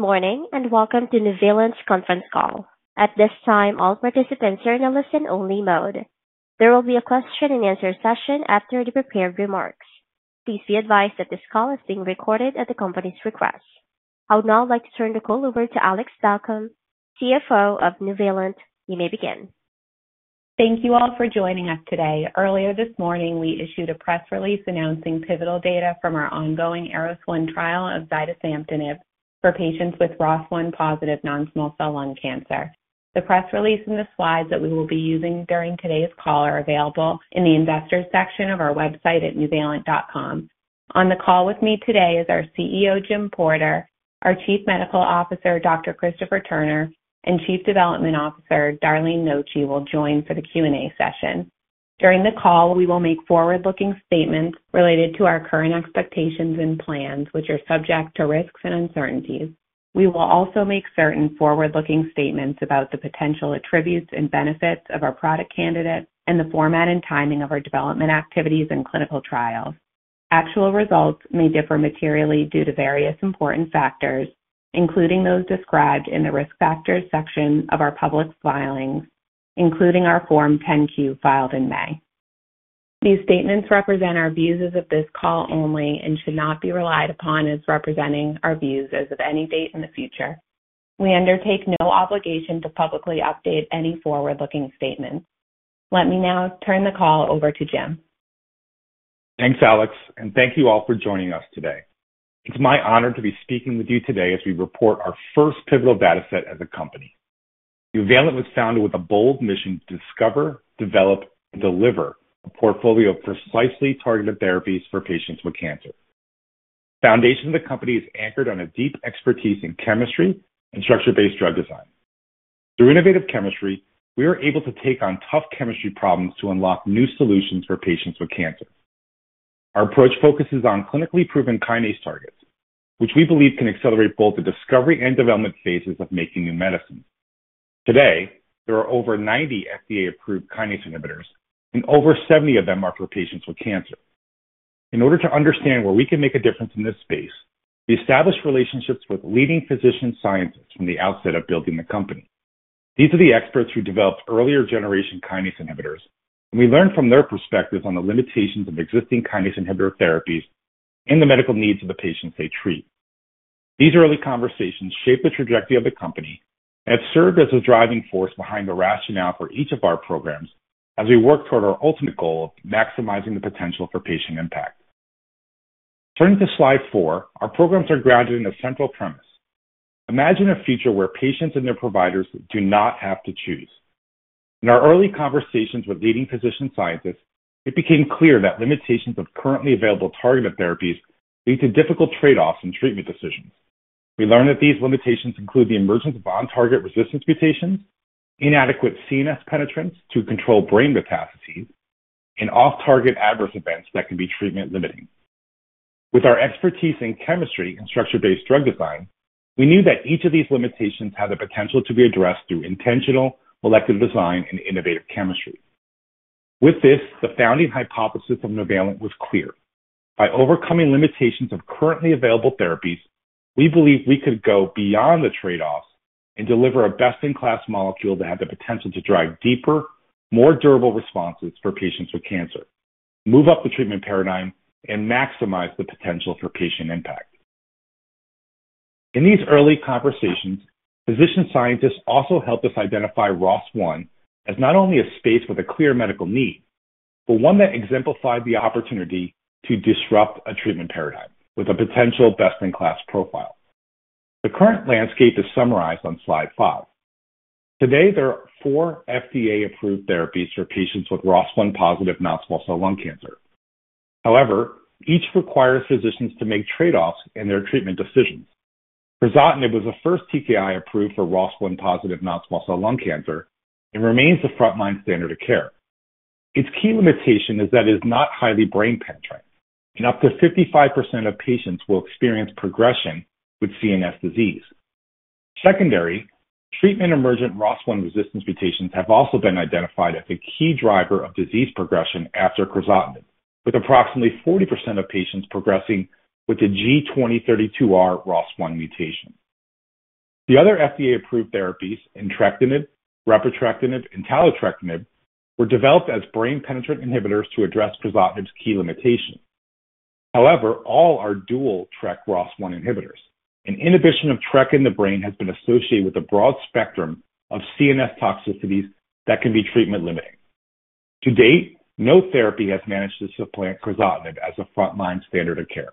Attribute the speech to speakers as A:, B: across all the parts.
A: Morning and welcome to Nuvalent Conference Call. At this time, all participants are in a listen-only mode. There will be a question-and-answer session after the prepared remarks. Please be advised that this call is being recorded at the company's request. I would now like to turn the call over to Alex Balcom, CFO of Nuvalent. You may begin.
B: Thank you all for joining us today. Earlier this morning, we issued a press release announcing pivotal data from our ongoing ARROS-1 trial of Zidesamtinib for patients with ROS1-positive non-small cell lung cancer. The press release and the slides that we will be using during today's call are available in the investor section of our website at nuvalent.com. On the call with me today is our CEO, Jim Porter, our Chief Medical Officer, Dr. Christopher Turner, and Chief Development Officer, Darlene Noci, who will join for the Q&A session. During the call, we will make forward-looking statements related to our current expectations and plans, which are subject to risks and uncertainties. We will also make certain forward-looking statements about the potential attributes and benefits of our product candidate and the format and timing of our development activities and clinical trials. Actual results may differ materially due to various important factors, including those described in the risk factors section of our public filings, including our Form 10-Q filed in May. These statements represent our views as of this call only and should not be relied upon as representing our views as of any date in the future. We undertake no obligation to publicly update any forward-looking statements. Let me now turn the call over to Jim.
C: Thanks, Alex, and thank you all for joining us today. It's my honor to be speaking with you today as we report our first pivotal data set as a company. Nuvalent was founded with a bold mission to discover, develop, and deliver a portfolio of precisely targeted therapies for patients with cancer. The foundation of the company is anchored on a deep expertise in chemistry and structure-based drug design. Through innovative chemistry, we are able to take on tough chemistry problems to unlock new solutions for patients with cancer. Our approach focuses on clinically proven kinase targets, which we believe can accelerate both the discovery and development phases of making new medicines. Today, there are over 90 FDA-approved kinase inhibitors, and over 70 of them are for patients with cancer. In order to understand where we can make a difference in this space, we established relationships with leading physician scientists from the outset of building the company. These are the experts who developed earlier generation kinase inhibitors, and we learned from their perspectives on the limitations of existing kinase inhibitor therapies and the medical needs of the patients they treat. These early conversations shaped the trajectory of the company and have served as a driving force behind the rationale for each of our programs as we work toward our ultimate goal of maximizing the potential for patient impact. Turning to slide four, our programs are grounded in a central premise. Imagine a future where patients and their providers do not have to choose. In our early conversations with leading physician scientists, it became clear that limitations of currently available targeted therapies lead to difficult trade-offs in treatment decisions. We learned that these limitations include the emergence of on-target resistance mutations, inadequate CNS penetrance to control brain metastases, and off-target adverse events that can be treatment-limiting. With our expertise in chemistry and structure-based drug design, we knew that each of these limitations had the potential to be addressed through intentional, elective design, and innovative chemistry. With this, the founding hypothesis of Nuvalent was clear. By overcoming limitations of currently available therapies, we believe we could go beyond the trade-offs and deliver a best-in-class molecule that had the potential to drive deeper, more durable responses for patients with cancer, move up the treatment paradigm, and maximize the potential for patient impact. In these early conversations, physician scientists also helped us identify ROS1 as not only a space with a clear medical need, but one that exemplified the opportunity to disrupt a treatment paradigm with a potential best-in-class profile. The current landscape is summarized on slide five. Today, there are four FDA-approved therapies for patients with ROS1-positive non-small cell lung cancer. However, each requires physicians to make trade-offs in their treatment decisions. Crizotinib was the first TKI approved for ROS1-positive non-small cell lung cancer and remains the frontline standard of care. Its key limitation is that it is not highly brain penetrating, and up to 55% of patients will experience progression with CNS disease. Secondary, treatment-emergent ROS1 resistance mutations have also been identified as a key driver of disease progression after crizotinib, with approximately 40% of patients progressing with the G2032R ROS1 mutation. The other FDA-approved therapies, entrectinib, repotrectinib, and taletrectinib, were developed as brain penetrant inhibitors to address crizotinib's key limitations. However, all are dual TRK/ROS1 inhibitors, and inhibition of TRK in the brain has been associated with a broad spectrum of CNS toxicities that can be treatment-limiting. To date, no therapy has managed to supplant crizotinib as a frontline standard of care.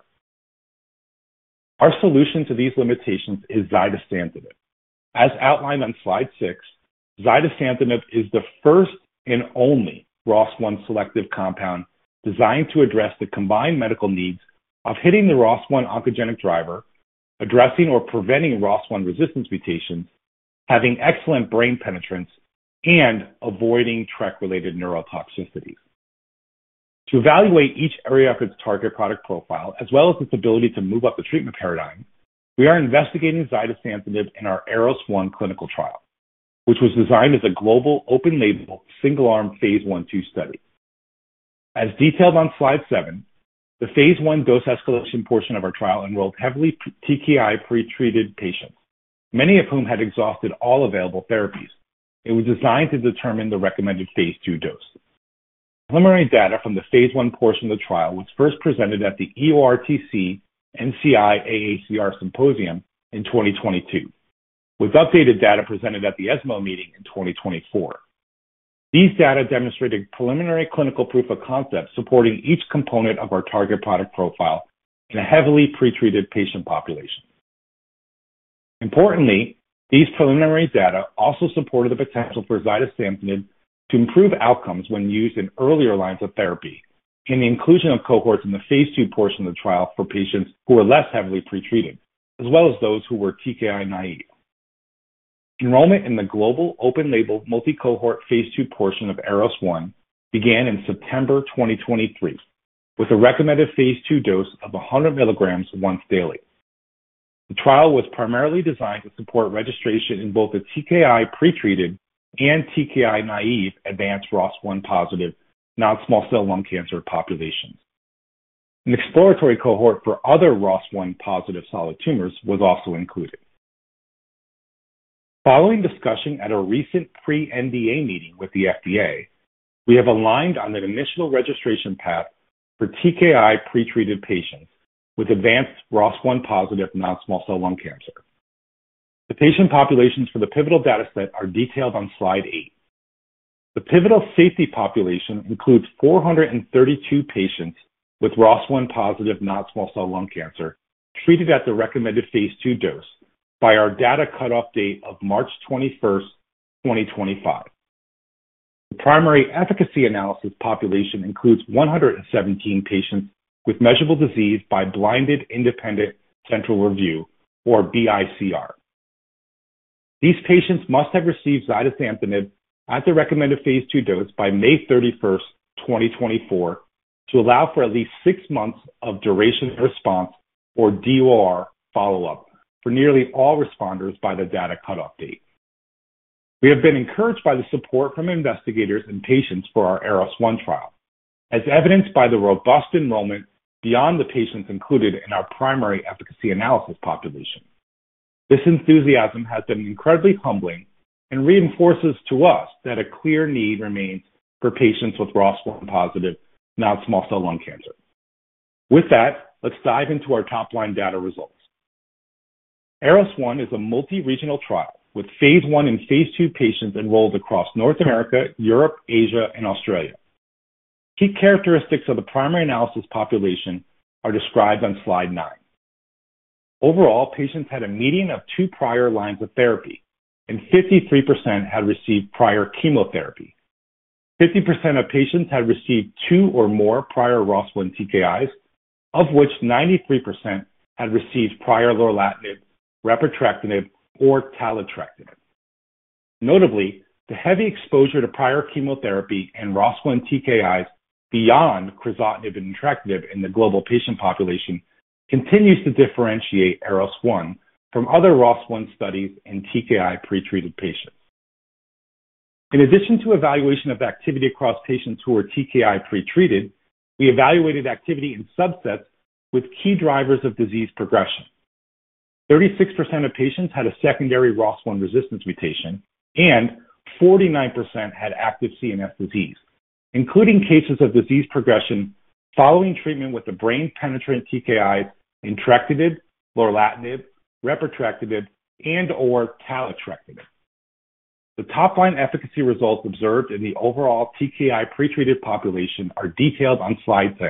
C: Our solution to these limitations is zidesamtinib. As outlined on slide six, zidesamtinib is the first and only ROS1 selective compound designed to address the combined medical needs of hitting the ROS1 oncogenic driver, addressing or preventing ROS1 resistance mutations, having excellent brain penetrance, and avoiding TRK-related neurotoxicities. To evaluate each area of its target product profile, as well as its ability to move up the treatment paradigm, we are investigating zidesamtinib in our ARROS1 clinical trial, which was designed as a global open-label single-arm phase I-II study. As detailed on slide seven, the phase I dose escalation portion of our trial enrolled heavily TKI pretreated patients, many of whom had exhausted all available therapies. It was designed to determine the recommended phase II dose. Preliminary data from the phase I portion of the trial was first presented at the EORTC-NCI-AACR Symposium in 2022, with updated data presented at the ESMO meeting in 2024. These data demonstrated preliminary clinical proof of concept supporting each component of our target product profile in a heavily pretreated patient population. Importantly, these preliminary data also supported the potential for zidesamtinib to improve outcomes when used in earlier lines of therapy and the inclusion of cohorts in the phase II portion of the trial for patients who are less heavily pretreated, as well as those who were TKI-naive. Enrollment in the global open-label multicohort phase II portion of ARROS1 began in September 2023, with a recommended phase II dose of 100 milligrams once daily. The trial was primarily designed to support registration in both the TKI pretreated and TKI-naive advanced ROS1-positive non-small cell lung cancer populations. An exploratory cohort for other ROS1-positive solid tumors was also included. Following discussion at a recent pre-NDA meeting with the FDA, we have aligned on an initial registration path for TKI pretreated patients with advanced ROS1-positive non-small cell lung cancer. The patient populations for the pivotal data set are detailed on slide eight. The pivotal safety population includes 432 patients with ROS1-positive non-small cell lung cancer treated at the recommended phase II dose by our data cutoff date of March 21st, 2025. The primary efficacy analysis population includes 117 patients with measurable disease by blinded independent central review, or BICR. These patients must have received zidesamtinib at the recommended phase II dose by May 31st, 2024, to allow for at least six months of duration of response or DOR follow-up for nearly all responders by the data cutoff date. We have been encouraged by the support from investigators and patients for our ARROS1 trial, as evidenced by the robust enrollment beyond the patients included in our primary efficacy analysis population. This enthusiasm has been incredibly humbling and reinforces to us that a clear need remains for patients with ROS1-positive non-small cell lung cancer. With that, let's dive into our top-line data results. ARROS1 is a multi-regional trial with phase I and phase II patients enrolled across North America, Europe, Asia, and Australia. Key characteristics of the primary analysis population are described on slide nine. Overall, patients had a median of two prior lines of therapy, and 53% had received prior chemotherapy. 50% of patients had received two or more prior ROS1 TKIs, of which 93% had received prior lorlatinib, repotrectinib, or taletrectinib. Notably, the heavy exposure to prior chemotherapy and ROS1 TKIs beyond crizotinib and entrectinib in the global patient population continues to differentiate ARROS1 from other ROS1 studies in TKI pretreated patients. In addition to evaluation of activity across patients who were TKI pretreated, we evaluated activity in subsets with key drivers of disease progression. 36% of patients had a secondary ROS1 resistance mutation, and 49% had active CNS disease, including cases of disease progression following treatment with the brain-penetrant TKIs entrectinib, lorlatinib, repotrectinib, and/or taletrectinib. The top-line efficacy results observed in the overall TKI pretreated population are detailed on slide 10.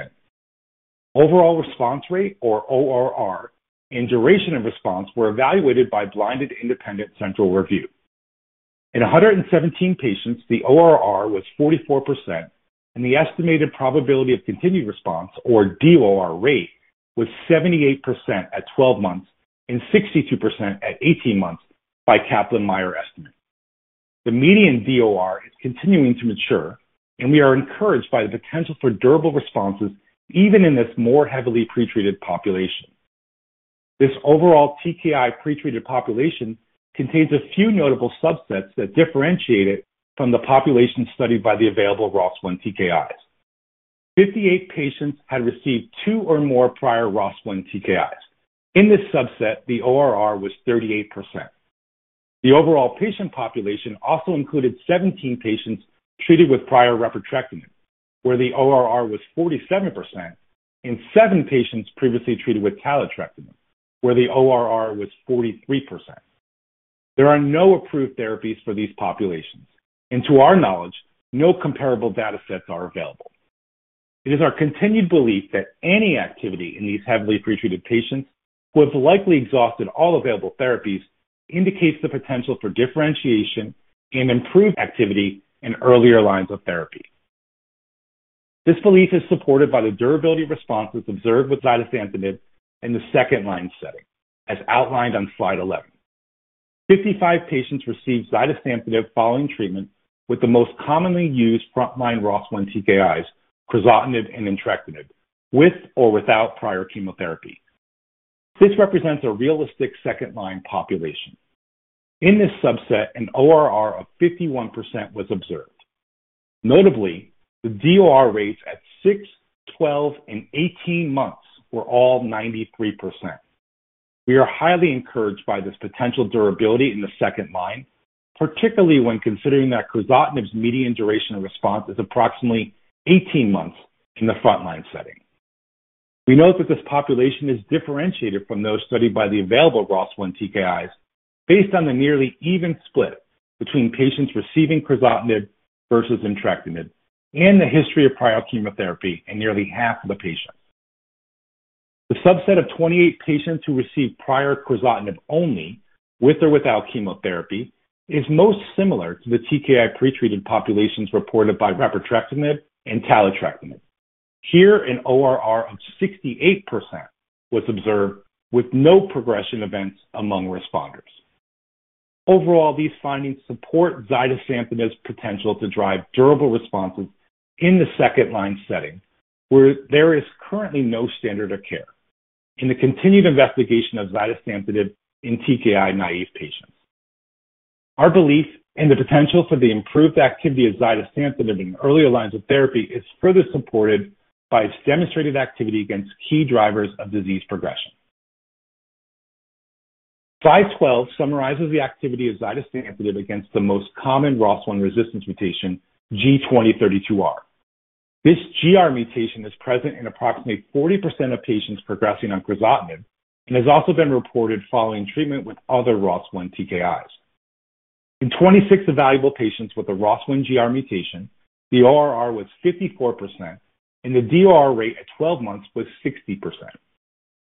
C: Overall response rate, or ORR, and duration of response were evaluated by blinded independent central review. In 117 patients, the ORR was 44%, and the estimated probability of continued response, or DOR rate, was 78% at 12 months and 62% at 18 months by Kaplan-Meier estimates. The median DOR is continuing to mature, and we are encouraged by the potential for durable responses even in this more heavily pretreated population. This overall TKI pretreated population contains a few notable subsets that differentiate it from the population studied by the available ROS1 TKIs. Fifty-eight patients had received two or more prior ROS1 TKIs. In this subset, the ORR was 38%. The overall patient population also included 17 patients treated with prior repotrectinib, where the ORR was 47%, and seven patients previously treated with taletrectinib, where the ORR was 43%. There are no approved therapies for these populations, and to our knowledge, no comparable data sets are available. It is our continued belief that any activity in these heavily pretreated patients who have likely exhausted all available therapies indicates the potential for differentiation and improved activity in earlier lines of therapy. This belief is supported by the durability responses observed with zidesamtinib in the second-line setting, as outlined on slide 11. Fifty-five patients received zidesamtinib following treatment with the most commonly used front-line ROS1 TKIs, crizotinib and entrectinib, with or without prior chemotherapy. This represents a realistic second-line population. In this subset, an ORR of 51% was observed. Notably, the DOR rates at six, 12, and 18 months were all 93%. We are highly encouraged by this potential durability in the second line, particularly when considering that crizotinib's median duration of response is approximately 18 months in the front-line setting. We note that this population is differentiated from those studied by the available ROS1 TKIs based on the nearly even split between patients receiving crizotinib versus entrectinib and the history of prior chemotherapy in nearly half of the patients. The subset of 28 patients who received prior crizotinib only, with or without chemotherapy, is most similar to the TKI pretreated populations reported by repotrectinib and taletrectinib. Here, an ORR of 68% was observed with no progression events among responders. Overall, these findings support zidesamtinib's potential to drive durable responses in the second-line setting, where there is currently no standard of care in the continued investigation of zidesamtinib in TKI-naive patients. Our belief in the potential for the improved activity of zidesamtinib in earlier lines of therapy is further supported by its demonstrated activity against key drivers of disease progression. Slide 12 summarizes the activity of zidesamtinib against the most common ROS1 resistance mutation, G2032R. This G2032R mutation is present in approximately 40% of patients progressing on crizotinib and has also been reported following treatment with other ROS1 TKIs. In 26 evaluable patients with a ROS1 G2032R mutation, the ORR was 54%, and the DOR rate at 12 months was 60%.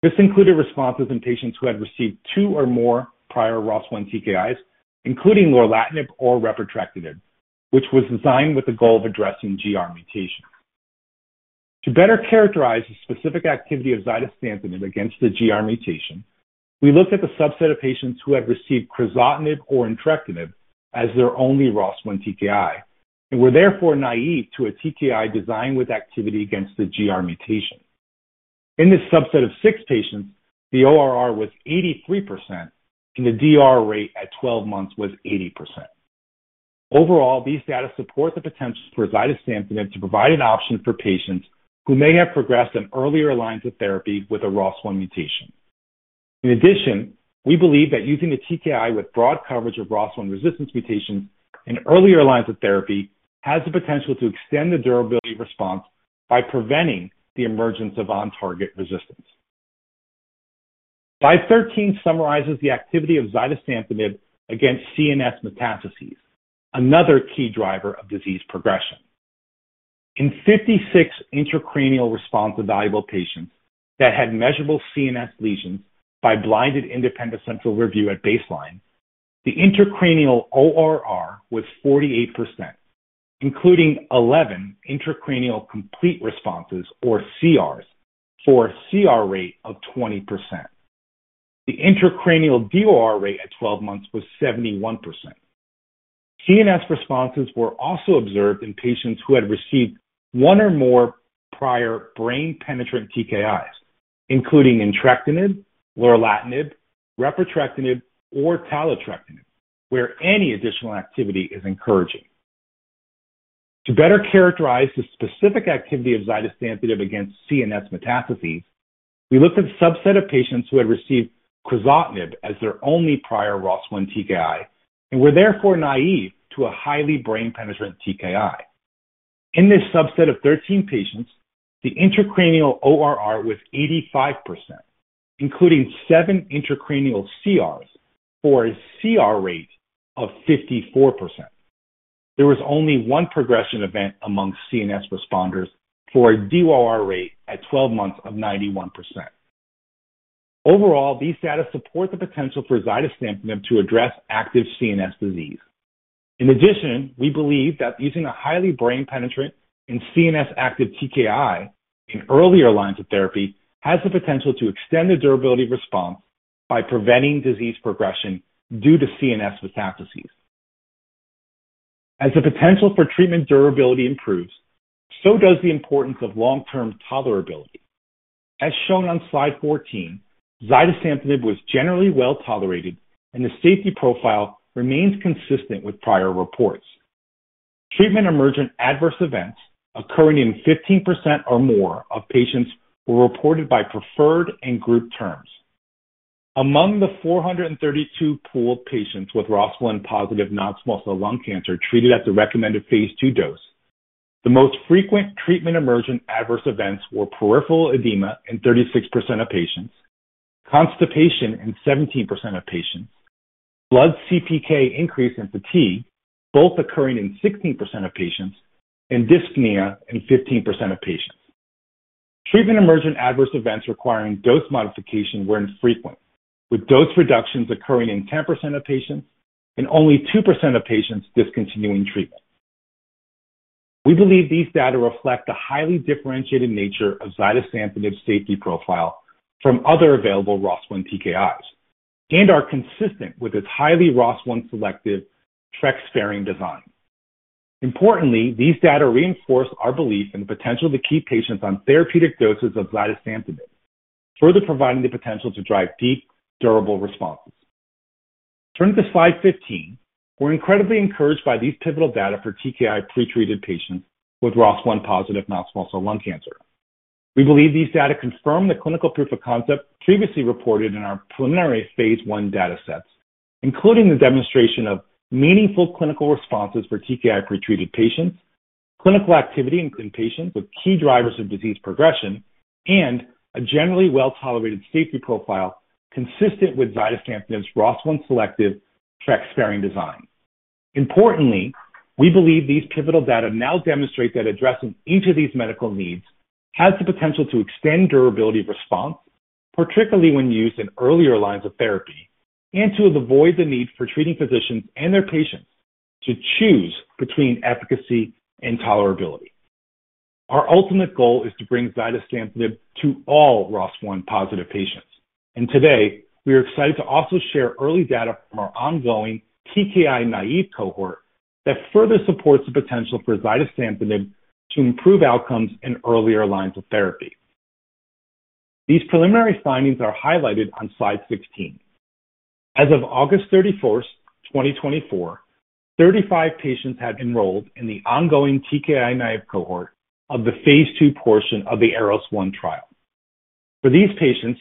C: This included responses in patients who had received two or more prior ROS1 TKIs, including lorlatinib or repotrectinib, which was designed with the goal of addressing G2032R mutations. To better characterize the specific activity of zidesamtinib against the G2032R mutation, we looked at the subset of patients who had received crizotinib or entrectinib as their only ROS1 TKI and were therefore naive to a TKI designed with activity against the G2032R mutation. In this subset of six patients, the ORR was 83%, and the DOR rate at 12 months was 80%. Overall, these data support the potential for zidesamtinib to provide an option for patients who may have progressed in earlier lines of therapy with a ROS1 mutation. In addition, we believe that using a TKI with broad coverage of ROS1 resistance mutations in earlier lines of therapy has the potential to extend the durability response by preventing the emergence of on-target resistance. Slide 13 summarizes the activity of zidesamtinib against CNS metastases, another key driver of disease progression. In 56 intracranial response evaluable patients that had measurable CNS lesions by blinded independent central review at baseline, the intracranial ORR was 48%, including 11 intracranial complete responses, or CRs, for a CR rate of 20%. The intracranial DOR rate at 12 months was 71%. CNS responses were also observed in patients who had received one or more prior brain-penetrant TKIs, including entrectinib, lorlatinib, repotrectinib, or taletrectinib, where any additional activity is encouraging. To better characterize the specific activity of zidesamtinib against CNS metastases, we looked at a subset of patients who had received crizotinib as their only prior ROS1 TKI and were therefore naive to a highly brain-penetrant TKI. In this subset of 13 patients, the intracranial ORR was 85%, including seven intracranial CRs, for a CR rate of 54%. There was only one progression event among CNS responders for a DOR rate at 12 months of 91%. Overall, these data support the potential for zidesamtinib to address active CNS disease. In addition, we believe that using a highly brain-penetrant and CNS-active TKI in earlier lines of therapy has the potential to extend the durability of response by preventing disease progression due to CNS metastases. As the potential for treatment durability improves, so does the importance of long-term tolerability. As shown on slide 14, zidesamtinib was generally well tolerated, and the safety profile remains consistent with prior reports. Treatment-emergent adverse events occurring in 15% or more of patients were reported by preferred and group terms. Among the 432 pooled patients with ROS1-positive non-small cell lung cancer treated at the recommended phase II dose, the most frequent treatment-emergent adverse events were peripheral edema in 36% of patients, constipation in 17% of patients, blood CPK increase and fatigue, both occurring in 16% of patients, and dyspnea in 15% of patients. Treatment emergent adverse events requiring dose modification were infrequent, with dose reductions occurring in 10% of patients and only 2% of patients discontinuing treatment. We believe these data reflect the highly differentiated nature of zidesamtinib's safety profile from other available ROS1 TKIs and are consistent with its highly ROS1-selective TRK-sparing design. Importantly, these data reinforce our belief in the potential to keep patients on therapeutic doses of zidesamtinib, further providing the potential to drive deep, durable responses. Turning to slide 15, we're incredibly encouraged by these pivotal data for TKI pretreated patients with ROS1-positive non-small cell lung cancer. We believe these data confirm the clinical proof of concept previously reported in our preliminary phase I data sets, including the demonstration of meaningful clinical responses for TKI pretreated patients, clinical activity in patients with key drivers of disease progression, and a generally well-tolerated safety profile consistent with zidesamtinib's ROS1-selective TRK-sparing design. Importantly, we believe these pivotal data now demonstrate that addressing each of these medical needs has the potential to extend durability of response, particularly when used in earlier lines of therapy, and to avoid the need for treating physicians and their patients to choose between efficacy and tolerability. Our ultimate goal is to bring zidesamtinib to all ROS1-positive patients. Today, we are excited to also share early data from our ongoing TKI-naive cohort that further supports the potential for zidesamtinib to improve outcomes in earlier lines of therapy. These preliminary findings are highlighted on slide 16. As of August 31st, 2024, 35 patients had enrolled in the ongoing TKI-naive cohort of the phase II portion of the ARROS1 trial. For these patients,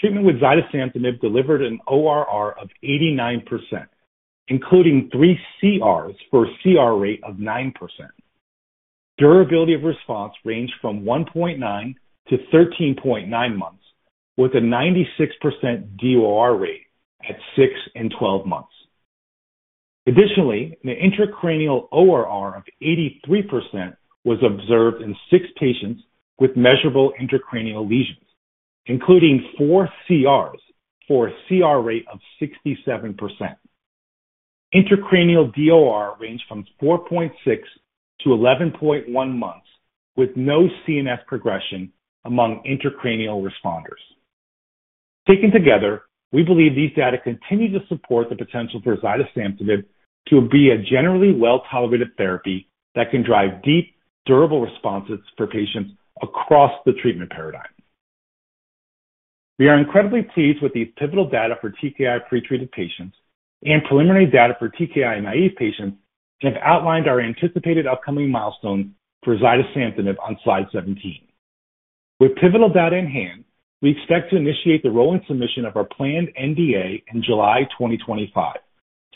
C: treatment with zidesamtinib delivered an ORR of 89%, including three CRs for a CR rate of 9%. Durability of response ranged from 1.9 months-13.9 months, with a 96% DOR rate at 6 months and 12 months. Additionally, an intracranial ORR of 83% was observed in six patients with measurable intracranial lesions, including four CRs for a CR rate of 67%. Intracranial DOR ranged from 4.6 months-11.1 months, with no CNS progression among intracranial responders. Taken together, we believe these data continue to support the potential for zidesamtinib to be a generally well-tolerated therapy that can drive deep, durable responses for patients across the treatment paradigm. We are incredibly pleased with these pivotal data for TKI pretreated patients and preliminary data for TKI-naive patients and have outlined our anticipated upcoming milestones for zidesamtinib on slide 17. With pivotal data in hand, we expect to initiate the rolling submission of our planned NDA in July 2025,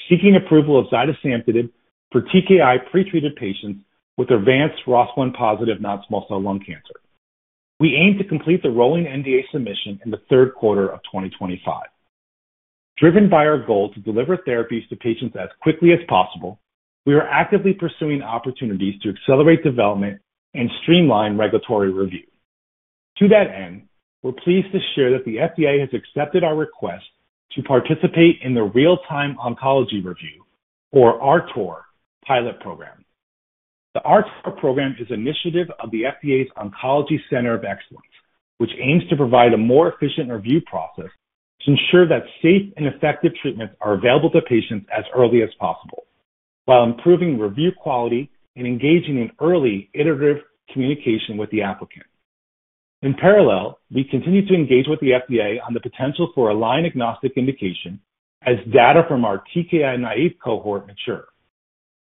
C: seeking approval of zidesamtinib for TKI pretreated patients with advanced ROS1-positive non-small cell lung cancer. We aim to complete the rolling NDA submission in the third quarter of 2025. Driven by our goal to deliver therapies to patients as quickly as possible, we are actively pursuing opportunities to accelerate development and streamline regulatory review. To that end, we're pleased to share that the FDA has accepted our request to participate in the Real-Time Oncology Review, or RTOR, pilot program. The RTOR program is an initiative of the FDA's Oncology Center of Excellence, which aims to provide a more efficient review process to ensure that safe and effective treatments are available to patients as early as possible while improving review quality and engaging in early, iterative communication with the applicant. In parallel, we continue to engage with the FDA on the potential for a line-agnostic indication as data from our TKI-naive cohort mature.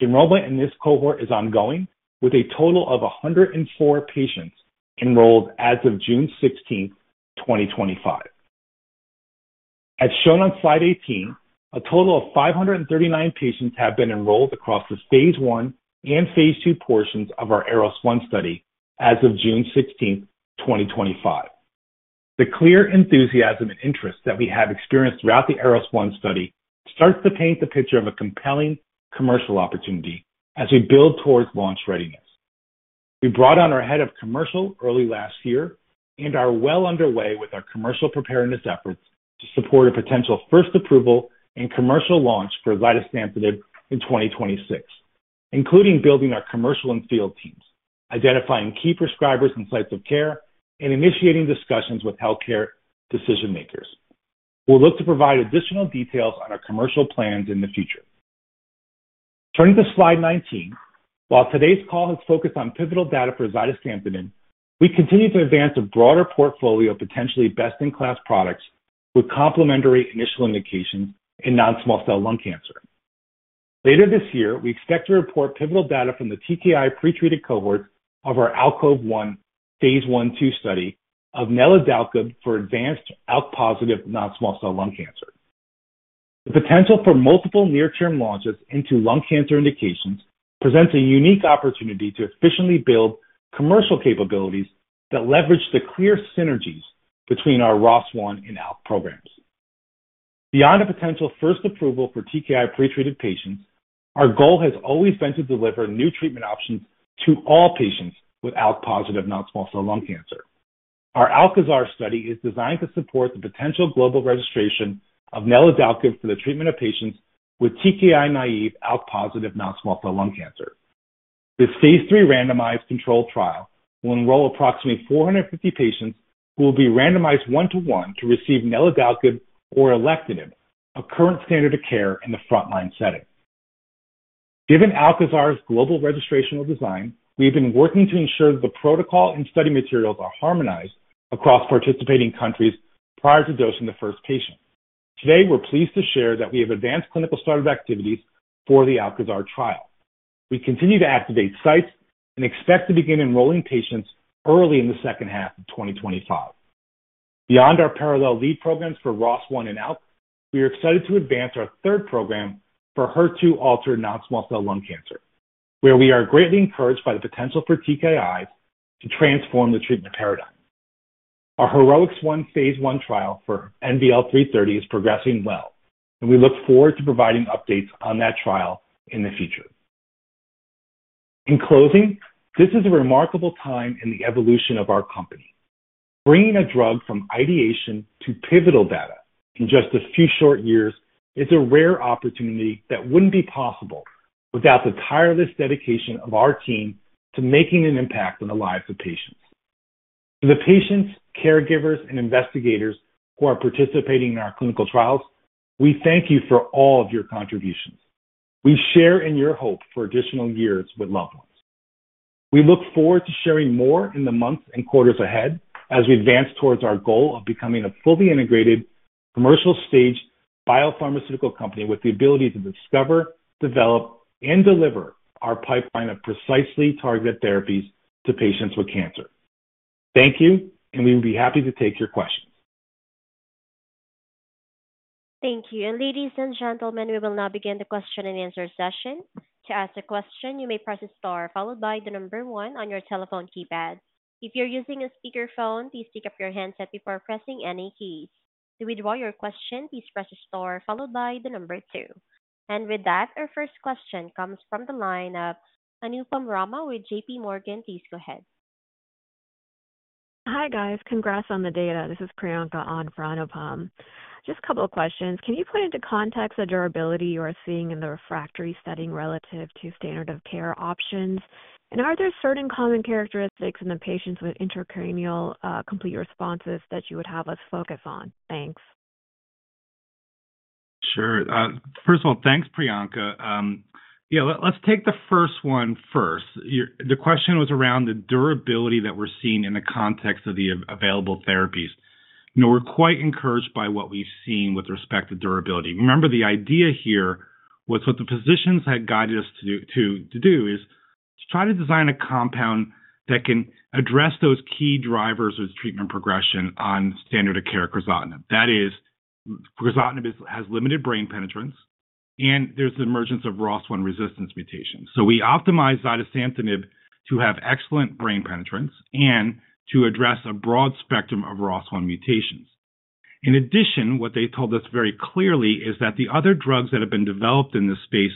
C: Enrollment in this cohort is ongoing, with a total of 104 patients enrolled as of June 16, 2025. As shown on slide 18, a total of 539 patients have been enrolled across the phase I and phase II portions of our ARROS1 study as of June 16, 2025. The clear enthusiasm and interest that we have experienced throughout the ARROS1 study starts to paint the picture of a compelling commercial opportunity as we build towards launch readiness. We brought on our head of commercial early last year and are well underway with our commercial preparedness efforts to support a potential first approval and commercial launch for zidesamtinib in 2026, including building our commercial and field teams, identifying key prescribers and sites of care, and initiating discussions with healthcare decision-makers. We'll look to provide additional details on our commercial plans in the future. Turning to slide 19, while today's call has focused on pivotal data for zidesamtinib, we continue to advance a broader portfolio of potentially best-in-class products with complementary initial indications in non-small cell lung cancer. Later this year, we expect to report pivotal data from the TKI pretreated cohorts of our ALKOVE-1 phase I-II study of Neladalkib for advanced ALK-positive non-small cell lung cancer. The potential for multiple near-term launches into lung cancer indications presents a unique opportunity to efficiently build commercial capabilities that leverage the clear synergies between our ROS1 and ALK programs. Beyond a potential first approval for TKI pretreated patients, our goal has always been to deliver new treatment options to all patients with ALK-positive non-small cell lung cancer. Our ALKAZAR study is designed to support the potential global registration of Neladalkib for the treatment of patients with TKI-naive ALK-positive non-small cell lung cancer. This phase III randomized controlled trial will enroll approximately 450 patients who will be randomized one-to-one to receive Neladalkib or alectinib, a current standard of care in the frontline setting. Given ALKAZARs global registration design, we've been working to ensure that the protocol and study materials are harmonized across participating countries prior to dosing the first patient. Today, we're pleased to share that we have advanced clinical startup activities for the ALKAZAR trial. We continue to activate sites and expect to begin enrolling patients early in the second half of 2025. Beyond our parallel lead programs for ROS1 and ALK, we are excited to advance our third program for HER2-altered non-small cell lung cancer, where we are greatly encouraged by the potential for TKIs to transform the treatment paradigm. Our HEROEX-1 phase I trial for NVL-330 is progressing well, and we look forward to providing updates on that trial in the future. In closing, this is a remarkable time in the evolution of our company. Bringing a drug from ideation to pivotal data in just a few short years is a rare opportunity that would not be possible without the tireless dedication of our team to making an impact on the lives of patients. To the patients, caregivers, and investigators who are participating in our clinical trials, we thank you for all of your contributions. We share in your hope for additional years with loved ones. We look forward to sharing more in the months and quarters ahead as we advance towards our goal of becoming a fully integrated commercial-stage biopharmaceutical company with the ability to discover, develop, and deliver our pipeline of precisely targeted therapies to patients with cancer. Thank you, and we would be happy to take your questions.
A: Thank you. Ladies and gentlemen, we will now begin the question and answer session. To ask a question, you may press the star followed by the number one on your telephone keypad. If you're using a speakerphone, please pick up your handset before pressing any keys. To withdraw your question, please press the star followed by the number two. With that, our first question comes from the line of Anupam Rama with JPMorgan. Please go ahead.
D: Hi guys. Congrats on the data. This is Priyanka on for Anupam. Just a couple of questions. Can you put into context the durability you are seeing in the refractory setting relative to standard of care options? Are there certain common characteristics in the patients with intracranial complete responses that you would have us focus on? Thanks.
C: Sure. First of all, thanks, Priyanka. Yeah, let's take the first one first. The question was around the durability that we're seeing in the context of the available therapies. We're quite encouraged by what we've seen with respect to durability. Remember, the idea here was what the physicians had guided us to do is to try to design a compound that can address those key drivers of treatment progression on standard of care crizotinib. That is, crizotinib has limited brain penetrance, and there's the emergence of ROS1 resistance mutations. So we optimize zidesamtinib to have excellent brain penetrance and to address a broad spectrum of ROS1 mutations. In addition, what they told us very clearly is that the other drugs that have been developed in this space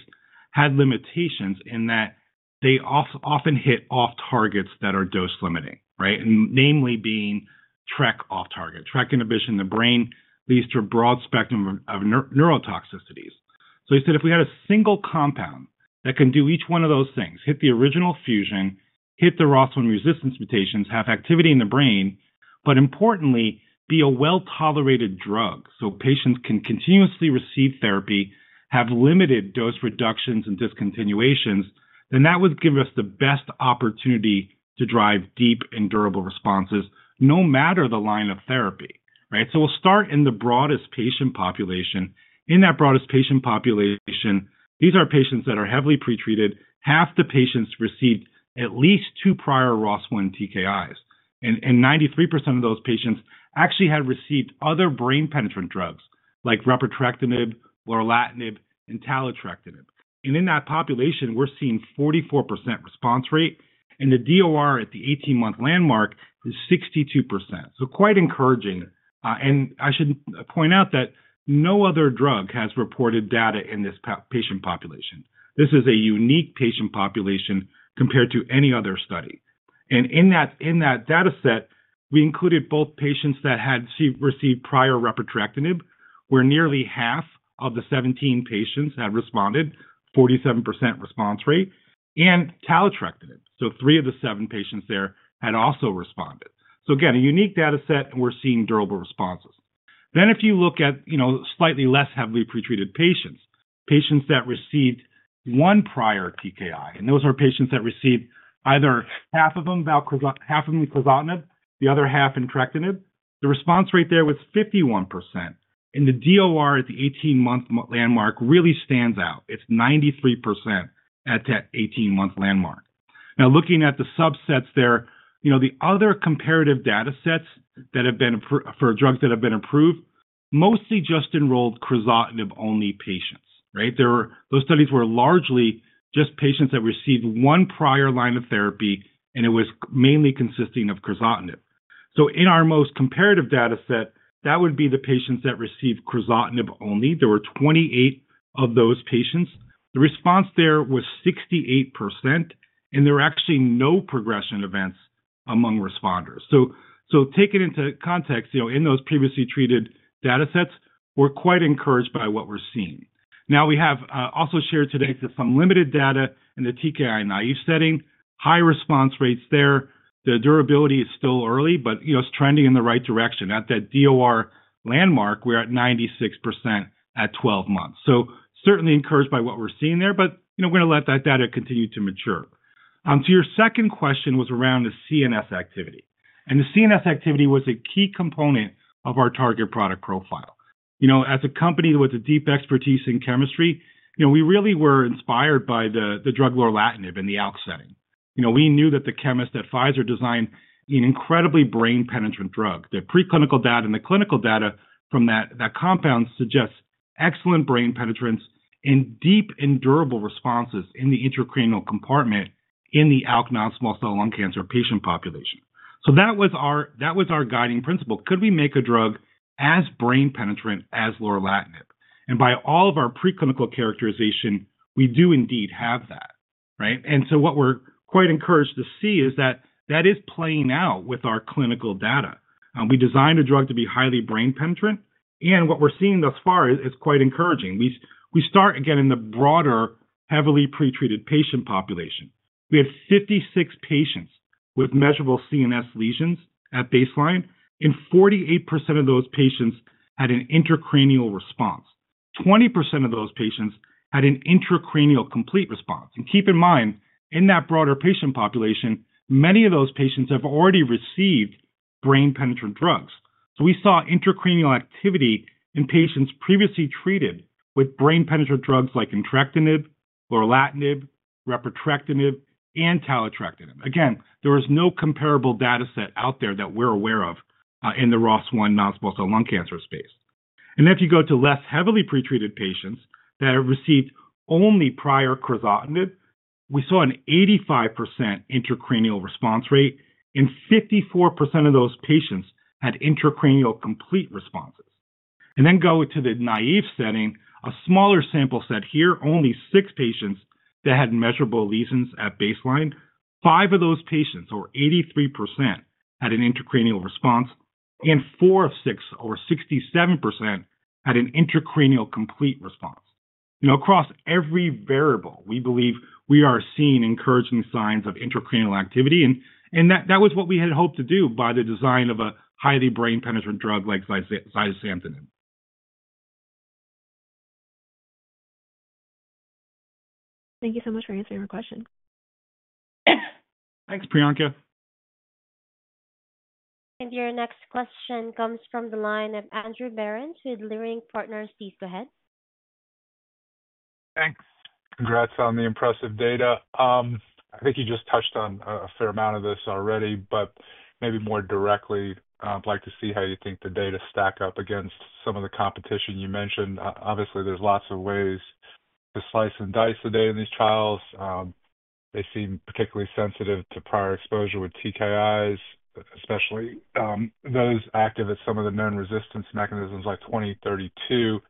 C: had limitations in that they often hit off-targets that are dose-limiting, right? And namely being TRK off-target. TRK inhibition in the brain leads to a broad spectrum of neurotoxicities. He said if we had a single compound that can do each one of those things, hit the original fusion, hit the ROS1 resistance mutations, have activity in the brain, but importantly, be a well-tolerated drug so patients can continuously receive therapy, have limited dose reductions and discontinuations, that would give us the best opportunity to drive deep and durable responses no matter the line of therapy, right? We'll start in the broadest patient population. In that broadest patient population, these are patients that are heavily pretreated. Half the patients received at least two prior ROS1 TKIs. 93% of those patients actually had received other brain-penetrant drugs like repotrectinib, lorlatinib, and taletrectinib. In that population, we're seeing 44% response rate, and the DOR at the 18-month landmark is 62%. Quite encouraging. I should point out that no other drug has reported data in this patient population. This is a unique patient population compared to any other study. In that dataset, we included both patients that had received prior repotrectinib, where nearly half of the 17 patients had responded, 47% response rate, and taletrectinib. Three of the seven patients there had also responded. Again, a unique dataset, and we're seeing durable responses. If you look at slightly less heavily pretreated patients, patients that received one prior TKI, those are patients that received either half of them with crizotinib, the other half entrectinib, the response rate there was 51%. The DOR at the 18-month landmark really stands out. It's 93% at that 18-month landmark. Now, looking at the subsets there, the other comparative datasets that have been for drugs that have been approved mostly just enrolled crizotinib-only patients, right? Those studies were largely just patients that received one prior line of therapy, and it was mainly consisting of crizotinib. In our most comparative dataset, that would be the patients that received crizotinib-only. There were 28 of those patients. The response there was 68%, and there were actually no progression events among responders. Taken into context, in those previously treated datasets, we're quite encouraged by what we're seeing. We have also shared today some limited data in the TKI naive setting. High response rates there. The durability is still early, but it's trending in the right direction. At that DOR landmark, we're at 96% at 12 months. Certainly encouraged by what we're seeing there, but we're going to let that data continue to mature. To your second question was around the CNS activity. The CNS activity was a key component of our target product profile. As a company with a deep expertise in chemistry, we really were inspired by the drug lorlatinib in the ALK setting. We knew that the chemist at Pfizer designed an incredibly brain-penetrant drug. The preclinical data and the clinical data from that compound suggests excellent brain penetrance and deep and durable responses in the intracranial compartment in the ALK non-small cell lung cancer patient population. That was our guiding principle. Could we make a drug as brain-penetrant as lorlatinib? By all of our preclinical characterization, we do indeed have that, right? What we are quite encouraged to see is that that is playing out with our clinical data. We designed a drug to be highly brain-penetrant, and what we are seeing thus far is quite encouraging. We start, again, in the broader, heavily pretreated patient population. We had 56 patients with measurable CNS lesions at baseline, and 48% of those patients had an intracranial response. 20% of those patients had an intracranial complete response. Keep in mind, in that broader patient population, many of those patients have already received brain-penetrant drugs. We saw intracranial activity in patients previously treated with brain-penetrant drugs like entrectinib, lorlatinib, repotrectinib, and taletrectinib. There is no comparable dataset out there that we are aware of in the ROS1-positive non-small cell lung cancer space. If you go to less heavily pretreated patients that have received only prior crizotinib, we saw an 85% intracranial response rate, and 54% of those patients had intracranial complete responses. If you go to the naive setting, a smaller sample set here, only six patients that had measurable lesions at baseline. Five of those patients, or 83%, had an intracranial response, and four of six, or 67%, had an intracranial complete response. Across every variable, we believe we are seeing encouraging signs of intracranial activity, and that was what we had hoped to do by the design of a highly brain-penetrant drug like zidesamtinib.
D: Thank you so much for answering our question.
C: Thanks, Priyanka.
A: Your next question comes from the line of Andrew Berens with Leerink Partners. Please go ahead.
E: Thanks. Congrats on the impressive data. I think you just touched on a fair amount of this already, but maybe more directly, I'd like to see how you think the data stack up against some of the competition you mentioned. Obviously, there's lots of ways to slice and dice the data in these trials. They seem particularly sensitive to prior exposure with TKIs, especially those active at some of the known resistance mechanisms like G2032R.